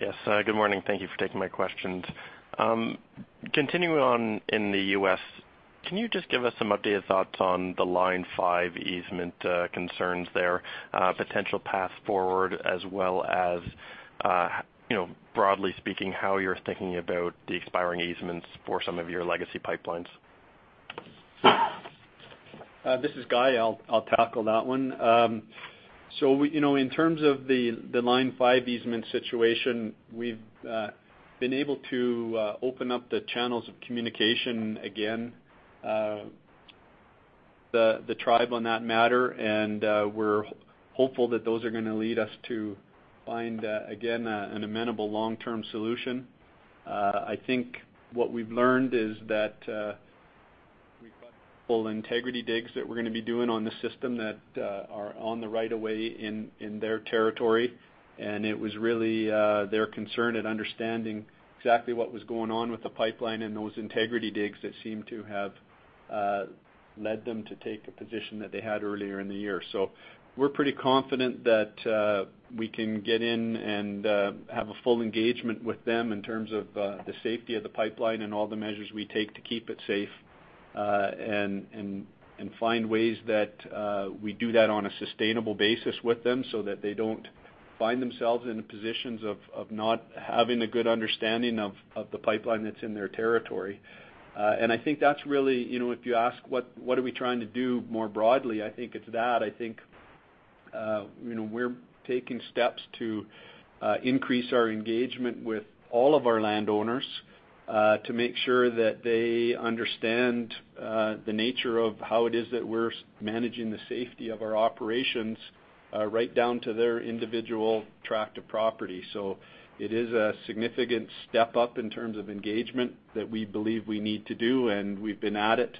Yes. Good morning. Thank you for taking my questions. Continuing on in the U.S., can you just give us some updated thoughts on the Line 5 easement concerns there, potential path forward, as well as, you know, broadly speaking, how you're thinking about the expiring easements for some of your legacy pipelines? This is Guy. I'll tackle that one. You know, in terms of the Line 5 easement situation, we've been able to open up the channels of communication again, the tribe on that matter. We're hopeful that those are gonna lead us to find again an amenable long-term solution. I think what we've learned is that integrity digs that we're gonna be doing on the system that are on the right of way in their territory. It was really their concern at understanding exactly what was going on with the pipeline and those integrity digs that seemed to have led them to take a position that they had earlier in the year. We're pretty confident that we can get in and have a full engagement with them in terms of the safety of the pipeline and all the measures we take to keep it safe, and find ways that we do that on a sustainable basis with them so that they don't find themselves in the positions of not having a good understanding of the pipeline that's in their territory. I think that's really, you know, if you ask what are we trying to do more broadly, I think it's that. I think, you know, we're taking steps to increase our engagement with all of our landowners to make sure that they understand the nature of how it is that we're managing the safety of our operations right down to their individual tract of property. It is a significant step up in terms of engagement that we believe we need to do, and we've been at it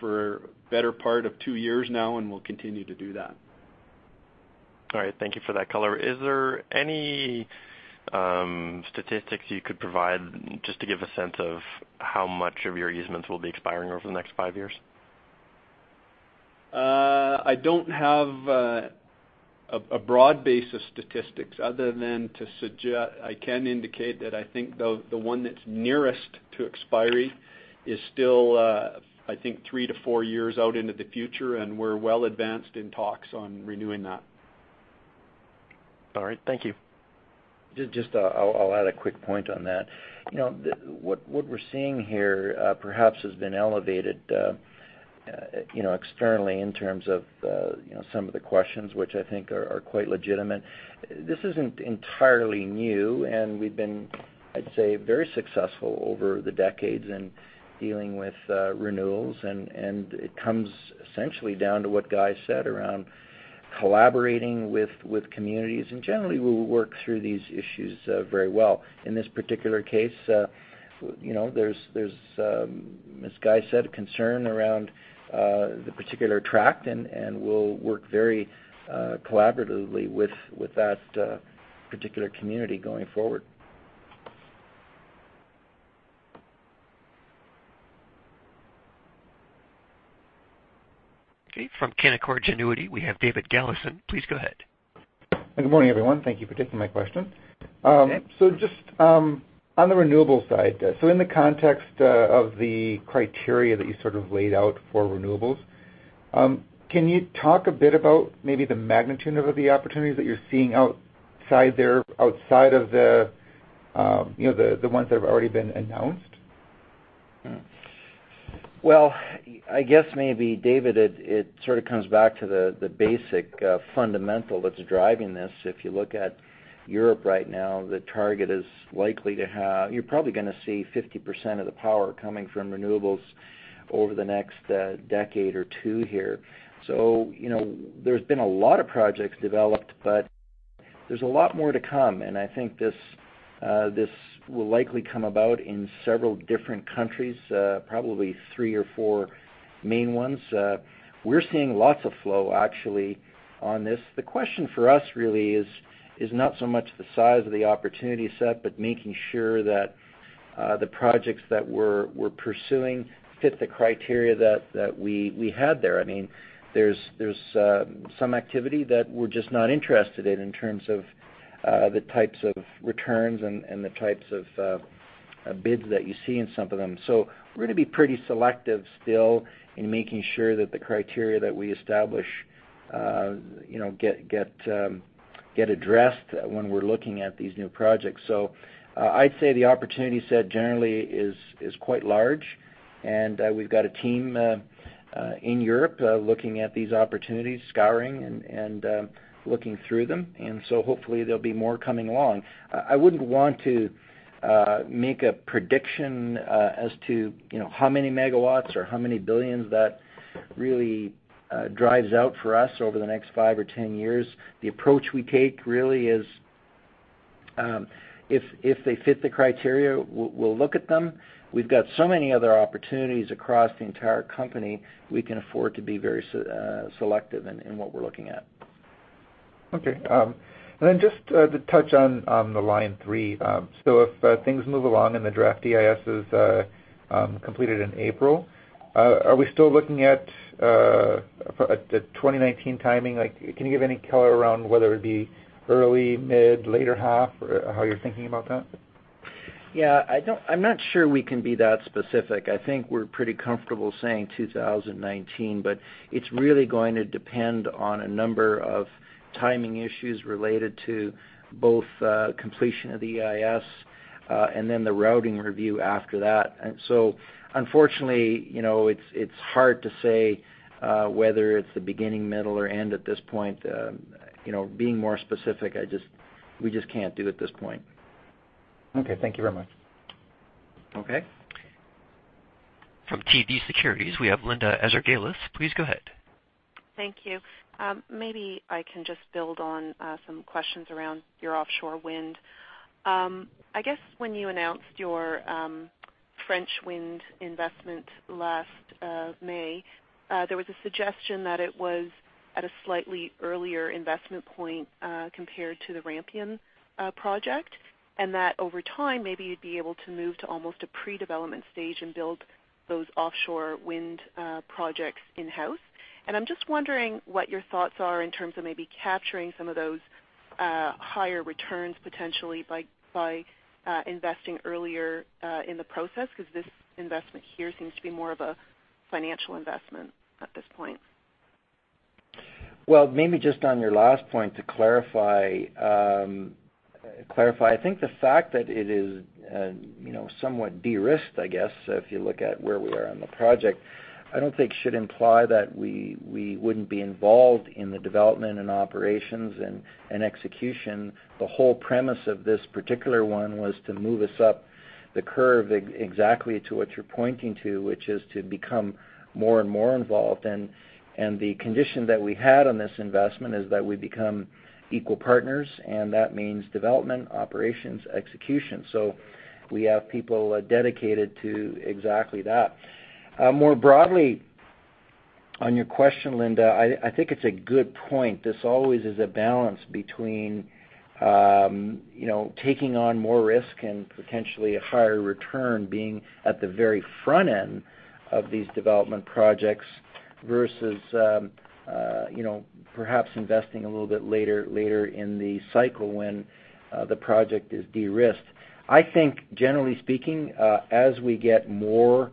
for better part of two years now, and we'll continue to do that. All right. Thank you for that color. Is there any statistics you could provide just to give a sense of how much of your easements will be expiring over the next five years? I don't have a broad base of statistics other than I can indicate that I think the one that's nearest to expiry is still, I think 3-4 years out into the future, and we're well advanced in talks on renewing that. All right. Thank you. Just, I'll add a quick point on that. You know, what we're seeing here, perhaps has been elevated, you know, externally in terms of, you know, some of the questions which I think are quite legitimate. This isn't entirely new, and we've been, I'd say, very successful over the decades in dealing with renewals. And it comes essentially down to what Guy said around collaborating with communities, and generally, we work through these issues very well. In this particular case, you know, there's, as Guy said, a concern around the particular tract and we'll work very collaboratively with that particular community going forward. Okay. From Canaccord Genuity, we have David Galison. Please go ahead. Good morning, everyone. Thank you for taking my question. Okay. Just on the renewables side, so in the context of the criteria that you sort of laid out for renewables, can you talk a bit about maybe the magnitude of the opportunities that you're seeing outside there, outside of the, you know, the ones that have already been announced? Well, I guess maybe, David, it sort of comes back to the basic fundamental that's driving this. If you look at Europe right now, the target is likely to have. You're probably gonna see 50% of the power coming from renewables over the next decade or two here. You know, there's been a lot of projects developed, but there's a lot more to come. I think this will likely come about in several different countries, probably three or four main ones. We're seeing lots of flow actually on this. The question for us really is not so much the size of the opportunity set, but making sure that the projects that we're pursuing fit the criteria that we had there. I mean, there's some activity that we're just not interested in terms of the types of returns and the types of bids that you see in some of them. We're gonna be pretty selective still in making sure that the criteria that we establish, you know, get addressed when we're looking at these new projects. I'd say the opportunity set generally is quite large, and we've got a team in Europe looking at these opportunities, scouring and looking through them. Hopefully, there'll be more coming along. I wouldn't want to make a prediction as to, you know, how many megawatts or how many billions that really drives out for us over the next five or 10 years. The approach we take really is, if they fit the criteria, we'll look at them. We've got so many other opportunities across the entire company, we can afford to be very selective in what we're looking at. Okay. Just to touch on the Line 3. If things move along and the draft EIS is completed in April, are we still looking at the 2019 timing? Like, can you give any color around whether it be early, mid, later half, or how you're thinking about that? Yeah. I'm not sure we can be that specific. I think we're pretty comfortable saying 2019, but it's really going to depend on a number of timing issues related to both completion of the EIS and then the routing review after that. Unfortunately, you know, it's hard to say whether it's the beginning, middle, or end at this point. You know, being more specific, we just can't do at this point. Okay. Thank you very much. Okay. From TD Securities, we have Linda Ezergailis. Please go ahead. Thank you. Maybe I can just build on some questions around your offshore wind. I guess when you announced your French wind investment last May, there was a suggestion that it was at a slightly earlier investment point compared to the Rampion project, and that over time, maybe you'd be able to move to almost a pre-development stage and build those offshore wind projects in-house. I'm just wondering what your thoughts are in terms of maybe capturing some of those higher returns potentially by investing earlier in the process, 'cause this investment here seems to be more of a financial investment at this point. Well, maybe just on your last point to clarify, I think the fact that it is, you know, somewhat de-risked, I guess, if you look at where we are on the project, I don't think should imply that we wouldn't be involved in the development and operations and execution. The whole premise of this particular one was to move us up the curve exactly to what you're pointing to, which is to become more and more involved. The condition that we had on this investment is that we become equal partners, and that means development, operations, execution. We have people dedicated to exactly that. More broadly on your question, Linda, I think it's a good point. This always is a balance between, you know, taking on more risk and potentially a higher return being at the very front end of these development projects versus, you know, perhaps investing a little bit later in the cycle when the project is de-risked. I think generally speaking, as we get more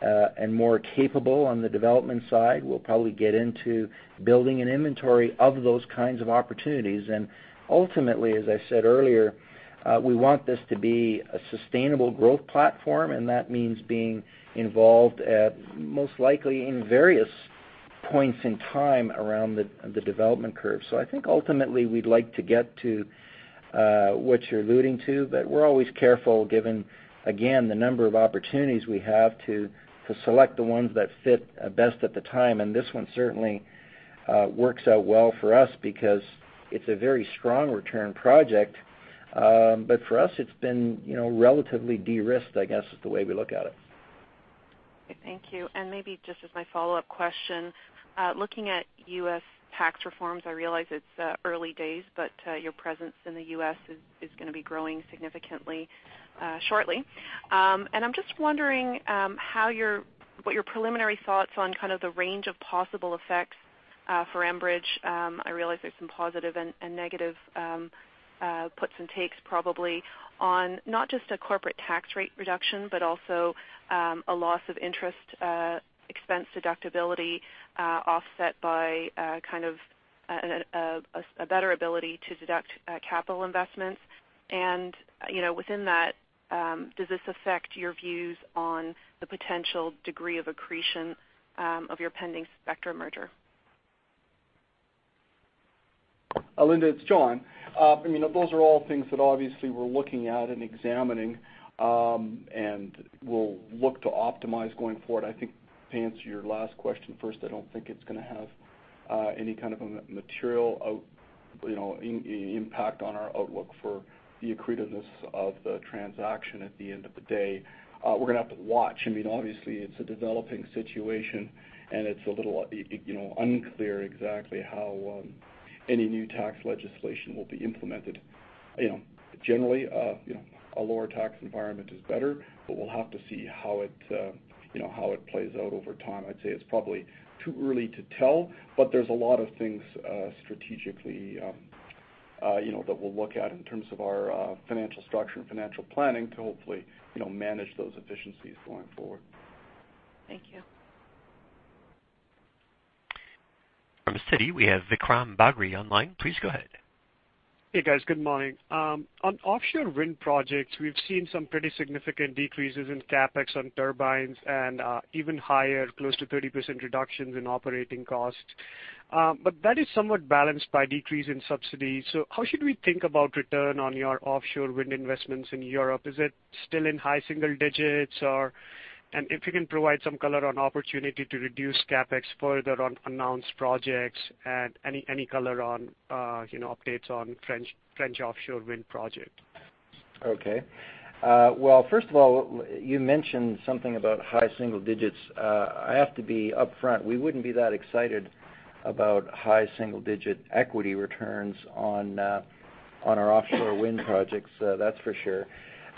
and more capable on the development side, we'll probably get into building an inventory of those kinds of opportunities. Ultimately, as I said earlier, we want this to be a sustainable growth platform, and that means being involved at most likely in various points in time around the development curve. I think ultimately we'd like to get to what you're alluding to, but we're always careful given, again, the number of opportunities we have to select the ones that fit best at the time. This one certainly works out well for us because it's a very strong return project. For us, it's been, you know, relatively de-risked, I guess, is the way we look at it. Thank you. Maybe just as my follow-up question, looking at U.S. tax reforms, I realize it's early days, but your presence in the U.S. is gonna be growing significantly shortly. I'm just wondering what your preliminary thoughts on kind of the range of possible effects for Enbridge, I realize there's some positive and negative puts and takes probably on not just a corporate tax rate reduction, but also a loss of interest expense deductibility, offset by kind of a better ability to deduct capital investments. You know, within that, does this affect your views on the potential degree of accretion of your pending Spectra merger? Linda, it's John. I mean, those are all things that obviously we're looking at and examining, and we'll look to optimize going forward. I think to answer your last question first, I don't think it's gonna have any kind of a material, you know, impact on our outlook for the accretiveness of the transaction at the end of the day. We're gonna have to watch. I mean, obviously, it's a developing situation, and it's a little, you know, unclear exactly how any new tax legislation will be implemented. You know, generally, you know, a lower tax environment is better, but we'll have to see how it, you know, how it plays out over time. I'd say it's probably too early to tell, but there's a lot of things, strategically. You know, that we'll look at in terms of our financial structure and financial planning to hopefully, you know, manage those efficiencies going forward. Thank you. From Citi, we have Vikram Bagri online. Please go ahead. Hey, guys. Good morning. On offshore wind projects, we've seen some pretty significant decreases in CapEx on turbines and even higher, close to 30% reductions in operating costs. That is somewhat balanced by decrease in subsidies. How should we think about return on your offshore wind investments in Europe? Is it still in high single digits? If you can provide some color on opportunity to reduce CapEx further on announced projects and any color on updates on French offshore wind project. Okay. Well, first of all, you mentioned something about high single digits. I have to be upfront. We wouldn't be that excited about high single-digit equity returns on our offshore wind projects, that's for sure.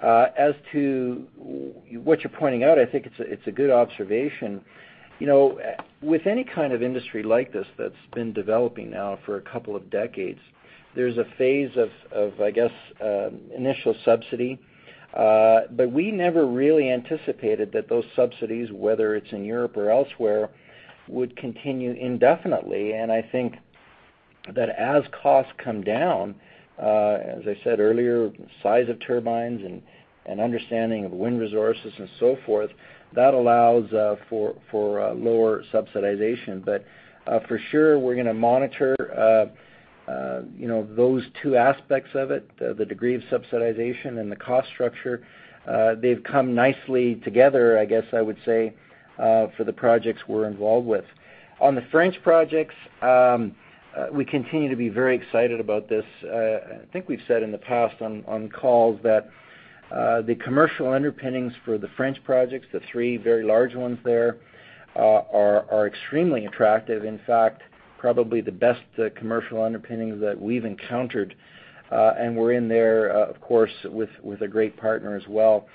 As to what you're pointing out, I think it's a good observation. You know, with any kind of industry like this that's been developing now for a decades, there's a phase of, I guess, initial subsidy. We never really anticipated that those subsidies, whether it's in Europe or elsewhere, would continue indefinitely. I think that as costs come down, as I said earlier, size of turbines and understanding of wind resources and so forth, that allows for lower subsidization. For sure, we're gonna monitor, you know, those two aspects of it, the degree of subsidization and the cost structure. They've come nicely together, I guess I would say, for the projects we're involved with. On the French projects, we continue to be very excited about this. I think we've said in the past on calls that the commercial underpinnings for the French projects, the three very large ones there, are extremely attractive. In fact, probably the best commercial underpinnings that we've encountered. We're in there, of course, with a great partner as well.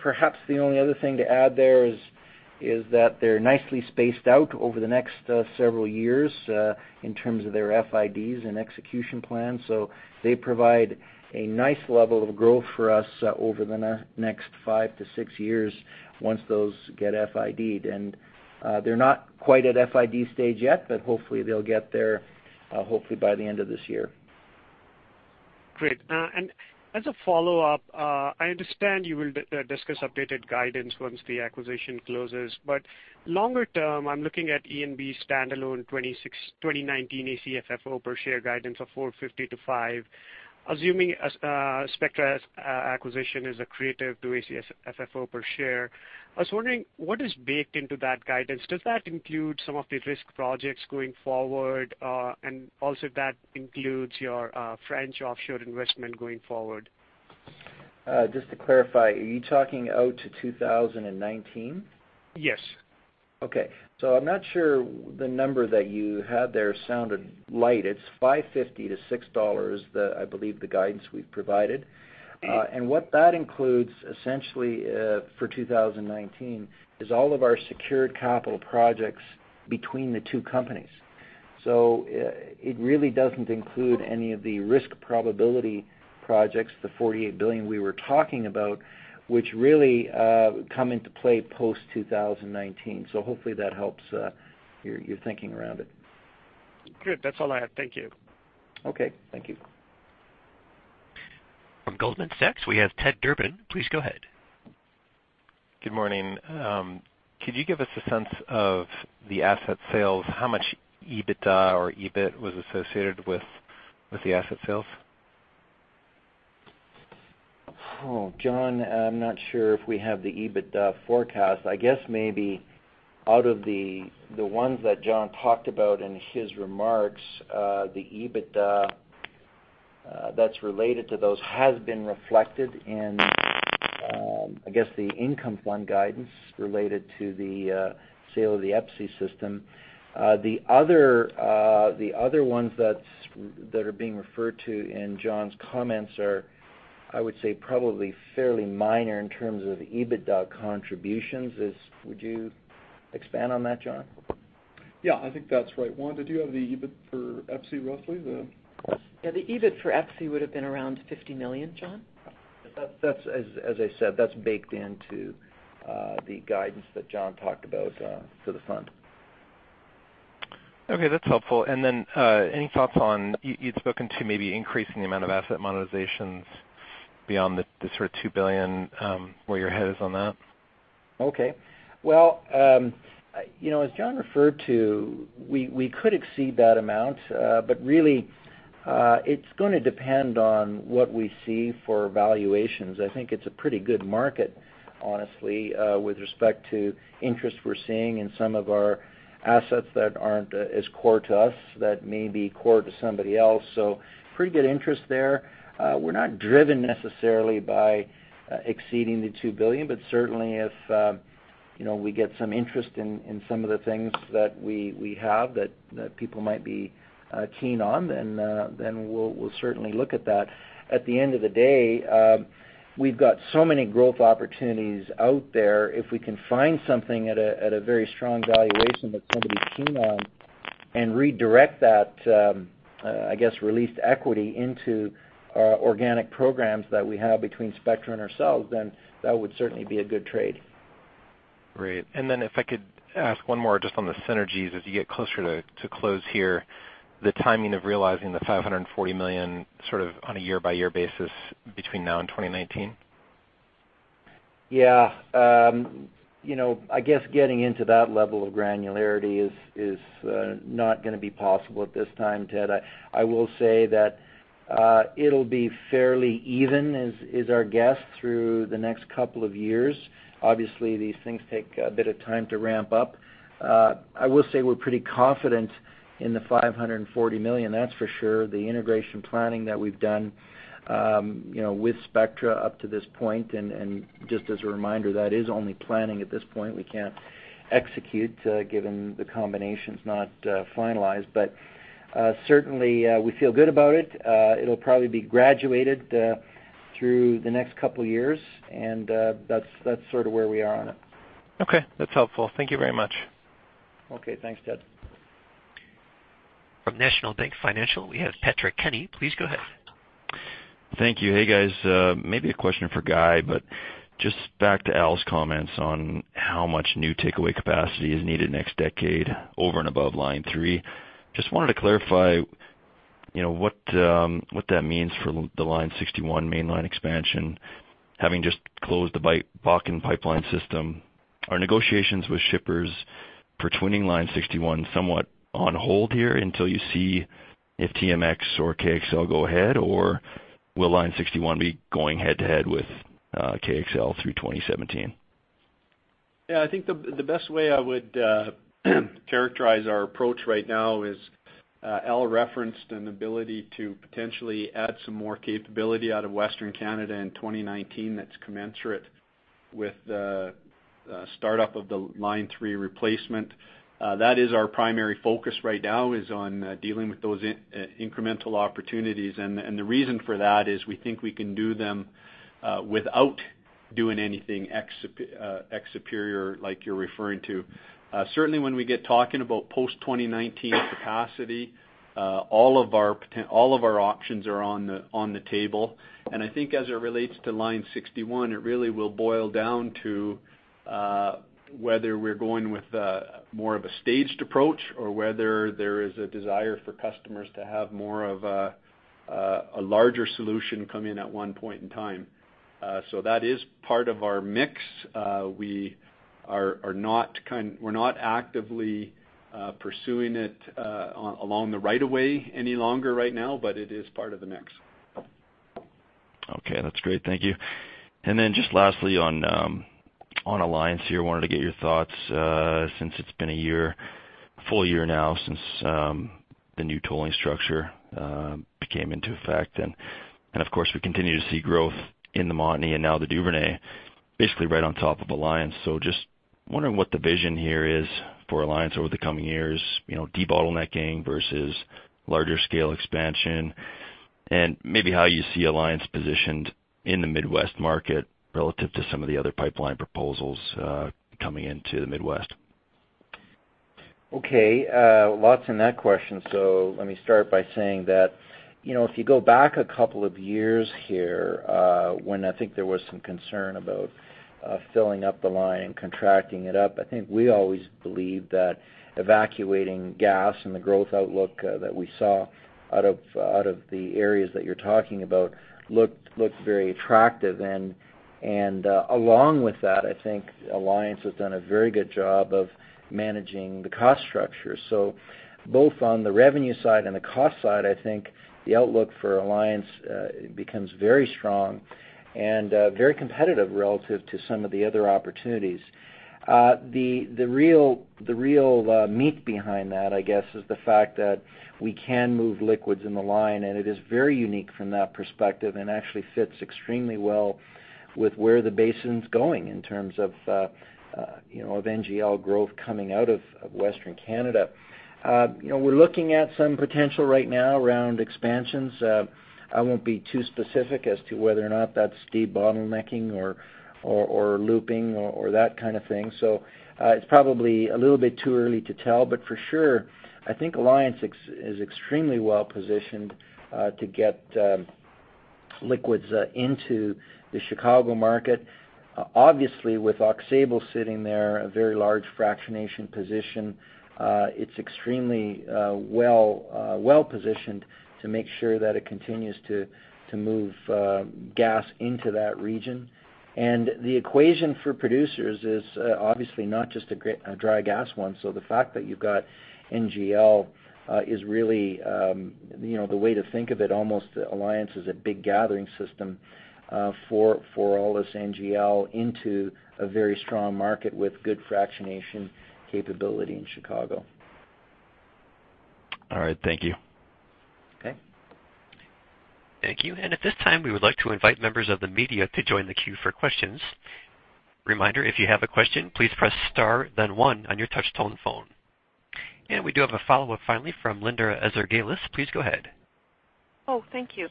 Perhaps the only other thing to add there is that they're nicely spaced out over the next several years in terms of their FIDs and execution plans. They provide a nice level of growth for us over the next 5-6 years once those get FIDed. They're not quite at FID stage yet, but hopefully they'll get there, hopefully by the end of this year. Great. As a follow-up, I understand you will discuss updated guidance once the acquisition closes. Longer term, I'm looking at ENB standalone 2019 ACFFO per share guidance of 4.50-5.00, assuming Spectra's acquisition is accretive to ACFFO per share. I was wondering, what is baked into that guidance? Does that include some of the risk projects going forward, and also that includes your French offshore investment going forward? Just to clarify, are you talking out to 2019? Yes. Okay. I'm not sure the number that you had there sounded light. It's 5.50-6.00 dollars, the, I believe, the guidance we've provided. And what that includes, essentially, for 2019, is all of our secured capital projects between the two companies. It really doesn't include any of the risk probability projects, the 48 billion we were talking about, which really come into play post 2019. Hopefully that helps your thinking around it. Good. That's all I have. Thank you. Okay. Thank you. From Goldman Sachs, we have Ted Durbin. Please go ahead. Good morning. Could you give us a sense of the asset sales, how much EBITDA or EBIT was associated with the asset sales? Oh, John, I'm not sure if we have the EBITDA forecast. I guess maybe out of the ones that John talked about in his remarks, the EBITDA that's related to those has been reflected in, I guess, the Income Fund guidance related to the sale of the EPC system. The other the other ones that are being referred to in John's comments are, I would say, probably fairly minor in terms of EBITDA contributions. Would you expand on that, John? Yeah, I think that's right. Wanda, do you have the EBIT for EPC roughly? Yeah, the EBIT for EPC would have been around 50 million, John. That's as I said, that's baked into the guidance that John talked about for the Fund. Okay, that's helpful. Then, any thoughts on, you'd spoken to maybe increasing the amount of asset monetizations beyond the sort of 2 billion, where your head is on that? Well, you know, as John referred to, we could exceed that amount, really, it's going to depend on what we see for valuations. I think it's a pretty good market, honestly, with respect to interest we're seeing in some of our assets that aren't as core to us, that may be core to somebody else. Pretty good interest there. We're not driven necessarily by exceeding 2 billion, certainly if, you know, we get some interest in some of the things that we have that people might be keen on, then we'll certainly look at that. At the end of the day, we've got so many growth opportunities out there, if we can find something at a very strong valuation that somebody's keen on, and redirect that, I guess, released equity into our organic programs that we have between Spectra and ourselves, then that would certainly be a good trade. Great. If I could ask 1 more just on the synergies as you get closer to close here, the timing of realizing the 540 million sort of on a year-by-year basis between now and 2019? You know, I guess getting into that level of granularity is not gonna be possible at this time, Ted. I will say that it'll be fairly even, is our guess through the next couple of years. Obviously, these things take a bit of time to ramp up. I will say we're pretty confident in the 540 million, that's for sure. The integration planning that we've done, you know, with Spectra up to this point and just as a reminder, that is only planning at this point. We can't execute, given the combination's not finalized. Certainly, we feel good about it. It'll probably be graduated through the next couple years and that's sort of where we are on it. Okay, that's helpful. Thank you very much. Okay, thanks, Ted. From National Bank Financial, we have Patrick Kenny. Please go ahead. Thank you. Hey, guys. Maybe a question for Guy, just back to Al's comments on how much new takeaway capacity is needed next decade over and above Line 3. Just wanted to clarify, you know, what that means for the Line 61 Mainline expansion, having just closed the Bakken pipeline system. Are negotiations with shippers for twinning Line 61 somewhat on hold here until you see if TMX or KXL go ahead? Or will Line 61 be going head-to-head with KXL through 2017? I think the best way I would characterize our approach right now is Al referenced an ability to potentially add some more capability out of Western Canada in 2019 that's commensurate with the startup of the Line 3 replacement. That is our primary focus right now, is on dealing with those incremental opportunities. The reason for that is we think we can do them without doing anything ex Superior like you're referring to. Certainly when we get talking about post-2019 capacity, all of our options are on the table. I think as it relates to Line 61, it really will boil down to whether we're going with more of a staged approach or whether there is a desire for customers to have more of a larger solution come in at one point in time. That is part of our mix. We are not actively pursuing it along the right of way any longer right now, but it is part of the mix. Okay, that's great. Thank you. Just lastly on Alliance here, wanted to get your thoughts since it's been a year, a full year now since the new tolling structure came into effect. Of course, we continue to see growth in the Montney and now the Duvernay, basically right on top of Alliance. Just wondering what the vision here is for Alliance over the coming years, you know, debottlenecking versus larger scale expansion, and maybe how you see Alliance positioned in the Midwest market relative to some of the other pipeline proposals coming into the Midwest. Okay. Lots in that question, let me start by saying that, you know, if you go back a couple of years here, when I think there was some concern about filling up the line and contracting it up, I think we always believed that evacuating gas and the growth outlook that we saw out of the areas that you're talking about looked very attractive. Along with that, I think Alliance has done a very good job of managing the cost structure. Both on the revenue side and the cost side, I think the outlook for Alliance becomes very strong and very competitive relative to some of the other opportunities. The real meat behind that, I guess, is the fact that we can move liquids in the line, and it is very unique from that perspective and actually fits extremely well with where the basin's going in terms of, you know, of NGL growth coming out of Western Canada. You know, we're looking at some potential right now around expansions. I won't be too specific as to whether or not that's debottlenecking or looping or that kind of thing. It's probably a little bit too early to tell, but for sure, I think Alliance is extremely well-positioned to get liquids into the Chicago market. Obviously, with Aux Sable sitting there, a very large fractionation position, it's extremely well-positioned to make sure that it continues to move gas into that region. The equation for producers is obviously not just a dry gas one, so the fact that you've got NGL, you know, the way to think of it, almost Alliance is a big gathering system for all this NGL into a very strong market with good fractionation capability in Chicago. All right. Thank you. Okay. Thank you. At this time, we would like to invite members of the media to join the queue for questions. Reminder, if you have a question, please press star then one on your touch tone phone. We do have a follow-up finally from Linda Ezergailis. Please go ahead. Thank you.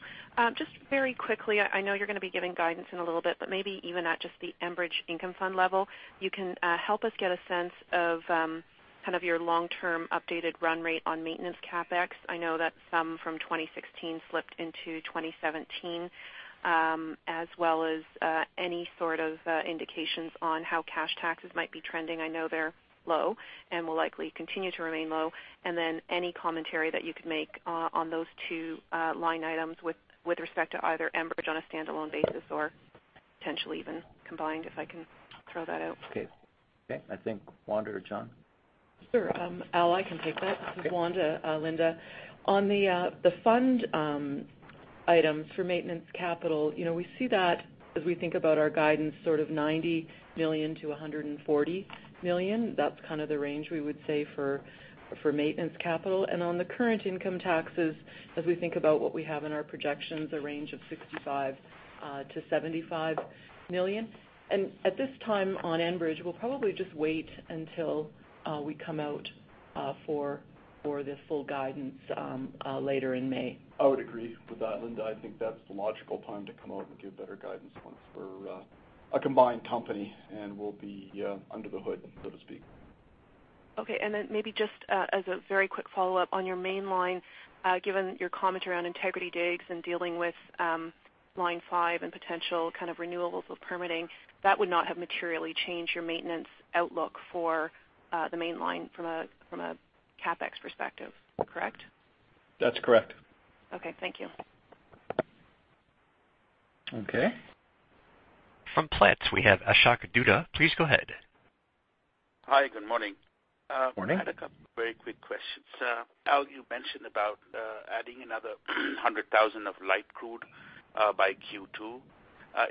Just very quickly, I know you're gonna be giving guidance in a little bit, but maybe even at just the Enbridge Income Fund level, you can help us get a sense of kind of your long-term updated run rate on maintenance CapEx. I know that some from 2016 slipped into 2017. As well as any sort of indications on how cash taxes might be trending. I know they're low and will likely continue to remain low. Then any commentary that you could make on those two line items with respect to either Enbridge on a standalone basis or potentially even combined, if I can throw that out. Okay. Okay. I think Wanda or John? Sure, Al, I can take that. Okay. This is Wanda, Linda. On the fund item for maintenance capital, you know, we see that as we think about our guidance, sort of 90 million-140 million. That's kind of the range we would say for maintenance capital. On the current income taxes, as we think about what we have in our projections, a range of 65 million-75 million. At this time, on Enbridge, we'll probably just wait until we come out for the full guidance later in May. I would agree with that, Linda. I think that's the logical time to come out and give better guidance once we're a combined company, and we'll be under the hood, so to speak. Okay, maybe just as a very quick follow-up, on your Mainline, given your comment around integrity digs and dealing with Line 5 and potential kind of renewals of permitting, that would not have materially changed your maintenance outlook for the Mainline from a CapEx perspective, correct? That's correct. Okay, thank you. Okay. From Platts, we have Ashok Dutta. Please go ahead. Hi, good morning. Morning. I had a couple of very quick questions. Al, you mentioned about adding another 100,000 of light crude by Q2.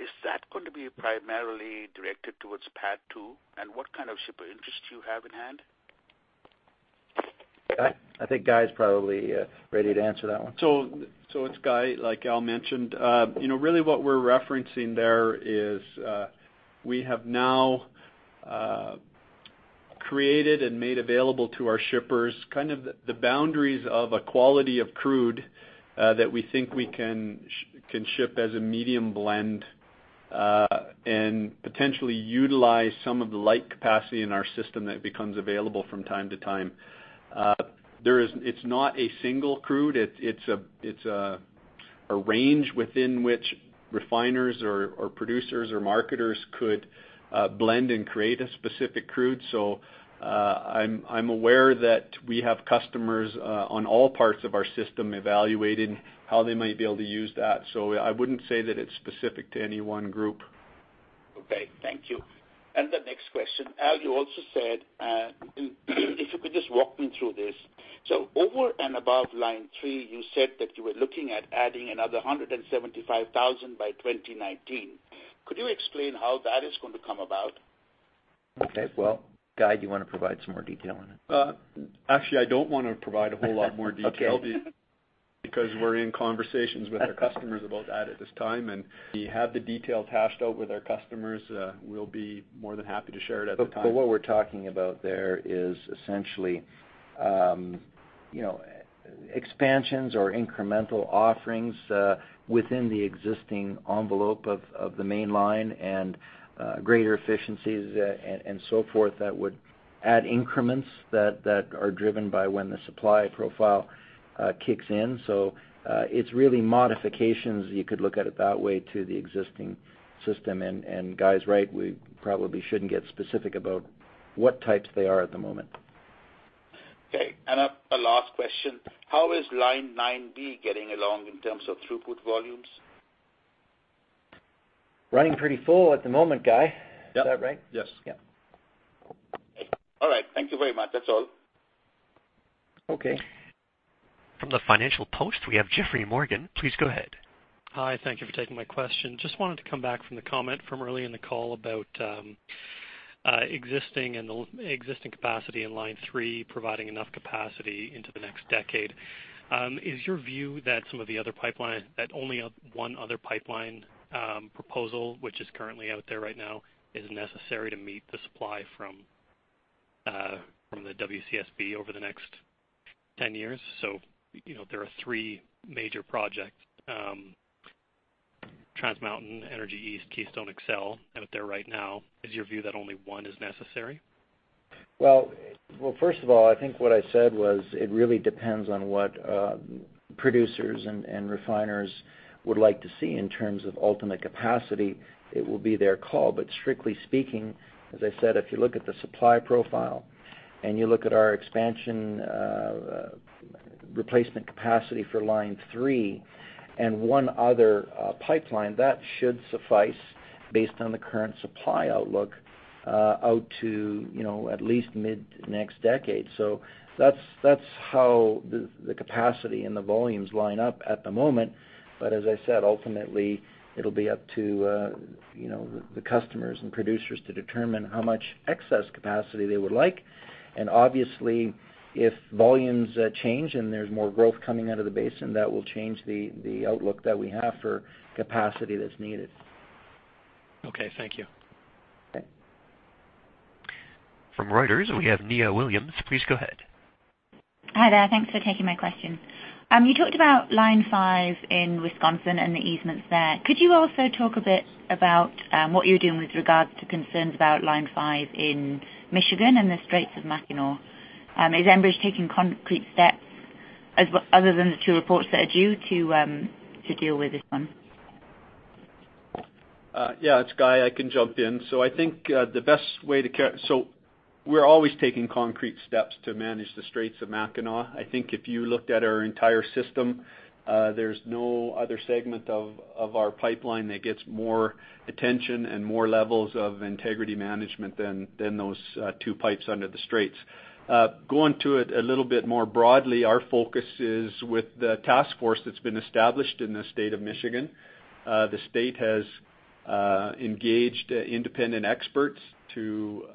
Is that going to be primarily directed towards PaDD 2? What kind of shipper interest do you have in hand? I think Guy is probably ready to answer that one. It's Guy, like Al mentioned. You know, really what we're referencing there is, we have now created and made available to our shippers kind of the boundaries of a quality of crude that we think we can ship as a medium blend and potentially utilize some of the light capacity in our system that becomes available from time to time. It's not a single crude. It's a range within which refiners or producers or marketers could blend and create a specific crude. I'm aware that we have customers on all parts of our system evaluating how they might be able to use that. I wouldn't say that it's specific to any one group. Okay, thank you. The next question. Al, you also said, if you could just walk me through this. Over and above Line 3, you said that you were looking at adding another 175,000 by 2019. Could you explain how that is going to come about? Okay. Well, Guy, do you wanna provide some more detail on it? actually, I don't wanna provide a whole lot more detail. Okay. We're in conversations with our customers about that at this time, and we have the details hashed out with our customers. We'll be more than happy to share it at the time. What we're talking about there is essentially, you know, expansions or incremental offerings, within the existing envelope of the Mainline and greater efficiencies, and so forth that would add increments that are driven by when the supply profile kicks in. It's really modifications, you could look at it that way, to the existing system. Guy's right, we probably shouldn't get specific about what types they are at the moment. Okay. A last question. How is Line 9B getting along in terms of throughput volumes? Running pretty full at the moment, Guy. Yep. Is that right? Yes. Yeah. All right. Thank you very much. That's all. Okay. From the Financial Post, we have Geoffrey Morgan. Please go ahead. Hi. Thank you for taking my question. Just wanted to come back from the comment from earlier in the call about the existing capacity in Line 3 providing enough capacity into the next decade. Is your view that only one other pipeline proposal, which is currently out there right now, is necessary to meet the supply from the WCSB over the next 10 years? You know, there are three major projects, Trans Mountain, Energy East, Keystone XL out there right now. Is your view that only one is necessary? Well, first of all, I think what I said was it really depends on what producers and refiners would like to see in terms of ultimate capacity. It will be their call. Strictly speaking, as I said, if you look at the supply profile and you look at our expansion, replacement capacity for Line 3 and one other pipeline, that should suffice based on the current supply outlook, out to, you know, at least mid next decade. That's how the capacity and the volumes line up at the moment. As I said, ultimately, it'll be up to, you know, the customers and producers to determine how much excess capacity they would like. Obviously, if volumes change and there's more growth coming out of the basin, that will change the outlook that we have for capacity that's needed. Okay, thank you. Okay. From Reuters, we have Nia Williams. Please go ahead. Hi there. Thanks for taking my question. You talked about Line 5 in Wisconsin and the easements there. Could you also talk a bit about what you're doing with regards to concerns about Line 5 in Michigan and the Straits of Mackinac? Is Enbridge taking concrete steps other than the two reports that are due to deal with this one? Yeah, it's Guy. I can jump in. I think we're always taking concrete steps to manage the Straits of Mackinac. I think if you looked at our entire system, there's no other segment of our pipeline that gets more attention and more levels of integrity management than those two pipes under the straits. Going to it a little bit more broadly, our focus is with the task force that's been established in the state of Michigan. The state has engaged independent experts to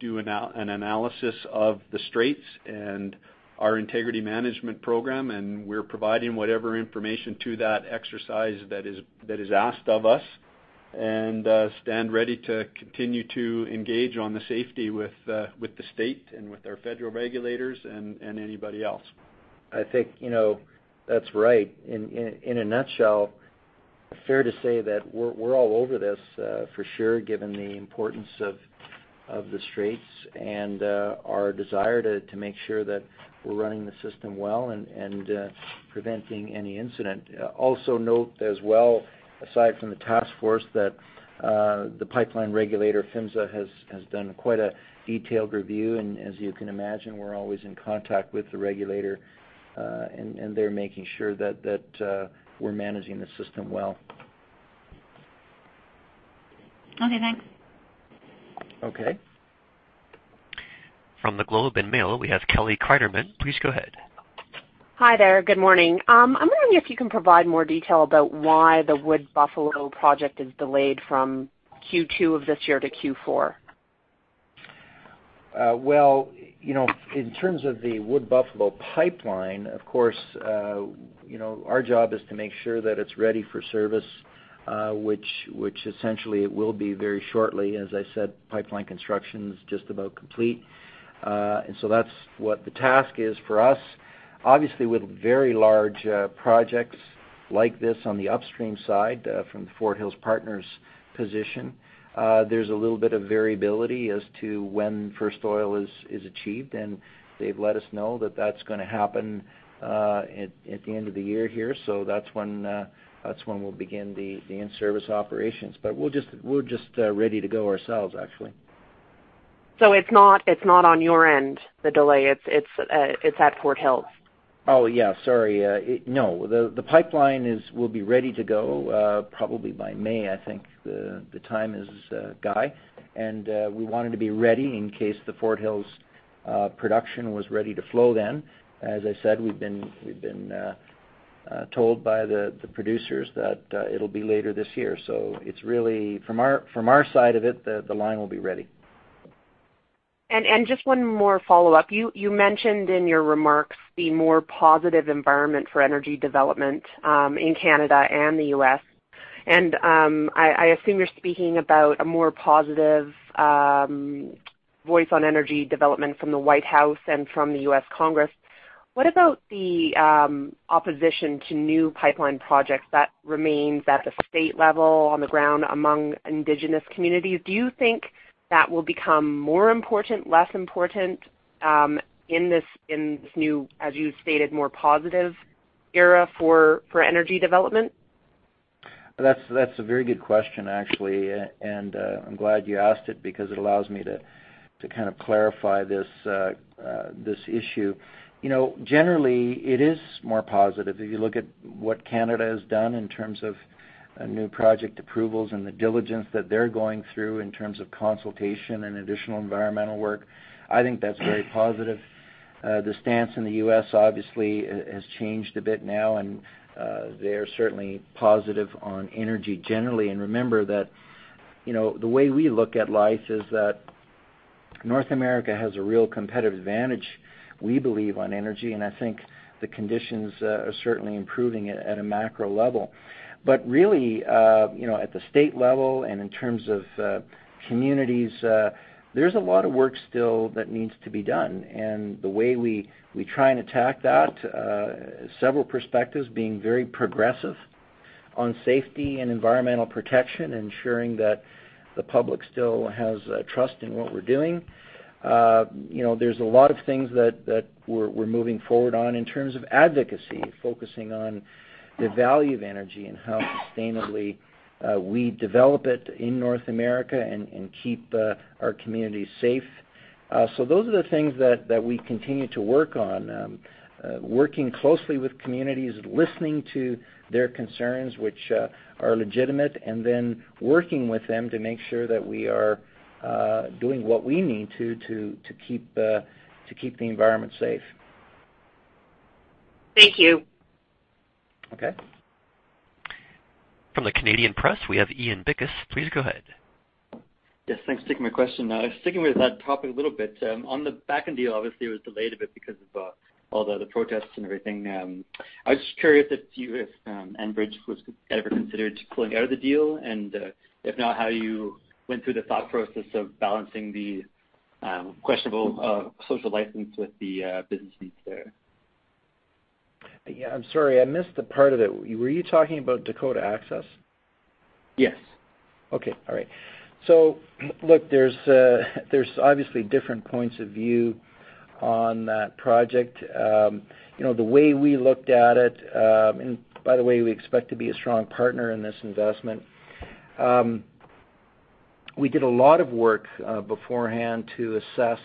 do an analysis of the straits and our integrity management program, and we're providing whatever information to that exercise that is asked of us and stand ready to continue to engage on the safety with the state and with our federal regulators and anybody else. I think, you know, that's right. In a nutshell, fair to say that we're all over this for sure, given the importance of the straits and our desire to make sure that we're running the system well and preventing any incident. Also note as well, aside from the task force, that the pipeline regulator, PHMSA, has done quite a detailed review. As you can imagine, we're always in contact with the regulator, and they're making sure that we're managing the system well. Okay, thanks. Okay. From The Globe and Mail, we have Kelly Cryderman. Please go ahead. Hi there. Good morning. I'm wondering if you can provide more detail about why the Wood Buffalo project is delayed from Q2 of this year to Q4. Well, you know, in terms of the Wood Buffalo pipeline, of course, you know, our job is to make sure that it's ready for service, which essentially it will be very shortly. As I said, pipeline construction's just about complete. That's what the task is for us. Obviously, with very large projects like this on the upstream side, from the Fort Hills partners' position, there's a little bit of variability as to when first oil is achieved, and they've let us know that that's gonna happen at the end of the year here. That's when, that's when we'll begin the in-service operations. We're just ready to go ourselves, actually. It's not on your end, the delay, it's at Fort Hills? Oh, yeah, sorry. No. The pipeline will be ready to go, probably by May, I think the time is, Guy. We want it to be ready in case the Fort Hills production was ready to flow then. As I said, we've been told by the producers that it'll be later this year. It's really From our side of it, the line will be ready. Just one more follow-up. You mentioned in your remarks the more positive environment for energy development in Canada and the U.S. I assume you're speaking about a more positive voice on energy development from the White House and from the U.S. Congress. What about the opposition to new pipeline projects that remains at the state level on the ground among indigenous communities? Do you think that will become more important, less important in this new, as you stated, more positive era for energy development? That's a very good question, actually. I'm glad you asked it because it allows me to kind of clarify this issue. You know, generally, it is more positive. If you look at what Canada has done in terms of new project approvals and the diligence that they're going through in terms of consultation and additional environmental work, I think that's very positive. The stance in the U.S. obviously has changed a bit now, and they are certainly positive on energy generally. Remember that, you know, the way we look at life is that North America has a real competitive advantage, we believe, on energy, and I think the conditions are certainly improving at a macro level. Really, you know, at the state level and in terms of communities, there's a lot of work still that needs to be done. The way we try and attack that, several perspectives, being very progressive on safety and environmental protection, ensuring that the public still has trust in what we're doing. You know, there's a lot of things that we're moving forward on in terms of advocacy, focusing on the value of energy and how sustainably we develop it in North America and keep our communities safe. Those are the things that we continue to work on. Working closely with communities, listening to their concerns, which are legitimate, and then working with them to make sure that we are doing what we need to keep the environment safe. Thank you. Okay. From The Canadian Press, we have Ian Bickis. Please go ahead. Yes, thanks for taking my question. Sticking with that topic a little bit, on the back end deal, obviously it was delayed a bit because of all the protests and everything. I was just curious if Enbridge was ever considered pulling out of the deal, and if not, how you went through the thought process of balancing the questionable social license with the business needs there. Yeah, I'm sorry, I missed the part of it. Were you talking about Dakota Access? Yes. There's obviously different points of view on that project. You know, the way we looked at it, we expect to be a strong partner in this investment. We did a lot of work beforehand to assess,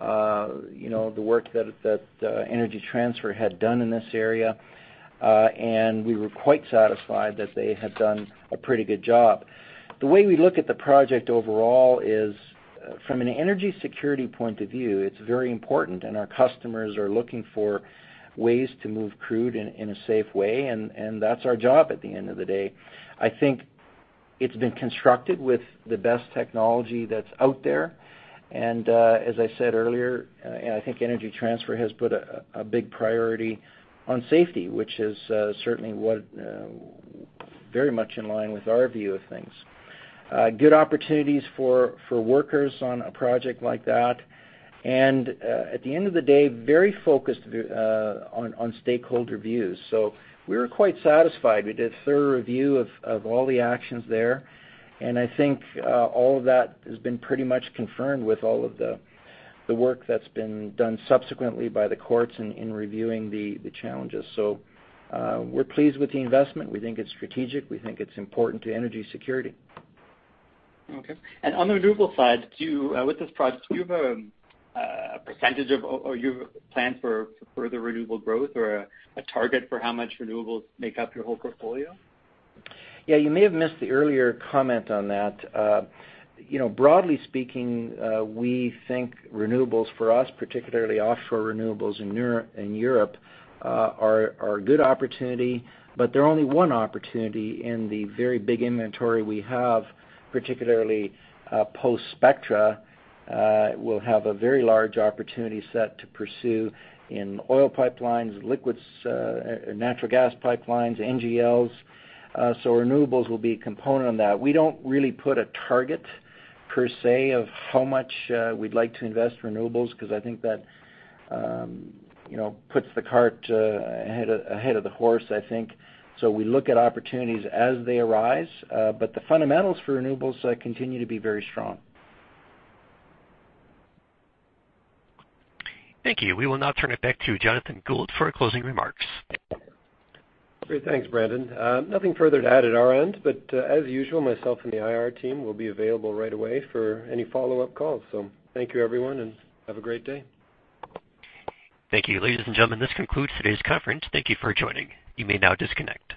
you know, the work that Energy Transfer had done in this area. We were quite satisfied that they had done a pretty good job. The way we look at the project overall is, from an energy security point of view, it's very important, and our customers are looking for ways to move crude in a safe way, and that's our job at the end of the day. I think it's been constructed with the best technology that's out there. As I said earlier, and I think Energy Transfer has put a big priority on safety, which is certainly what very much in line with our view of things. Good opportunities for workers on a project like that. At the end of the day, very focused on stakeholder views. We were quite satisfied. We did a thorough review of all the actions there. I think all of that has been pretty much confirmed with all of the work that's been done subsequently by the courts in reviewing the challenges. We're pleased with the investment. We think it's strategic. We think it's important to energy security. Okay. On the renewable side, do you, with this project, do you have a percentage of, or you plan for further renewable growth or a target for how much renewables make up your whole portfolio? Yeah, you may have missed the earlier comment on that. You know, broadly speaking, we think renewables for us, particularly offshore renewables in Europe, are a good opportunity, but they're only one opportunity in the very big inventory we have, particularly post Spectra, will have a very large opportunity set to pursue in oil pipelines, liquids, natural gas pipelines, NGLs. Renewables will be a component on that. We don't really put a target per se of how much we'd like to invest renewables because I think that, you know, puts the cart ahead of the horse, I think. We look at opportunities as they arise. The fundamentals for renewables continue to be very strong. Thank you. We will now turn it back to Jonathan Gould for closing remarks. Great. Thanks, Brandon. Nothing further to add at our end, but, as usual, myself and the IR team will be available right away for any follow-up calls. Thank you, everyone, and have a great day. Thank you. Ladies and gentlemen, this concludes today's conference. Thank you for joining. You may now disconnect.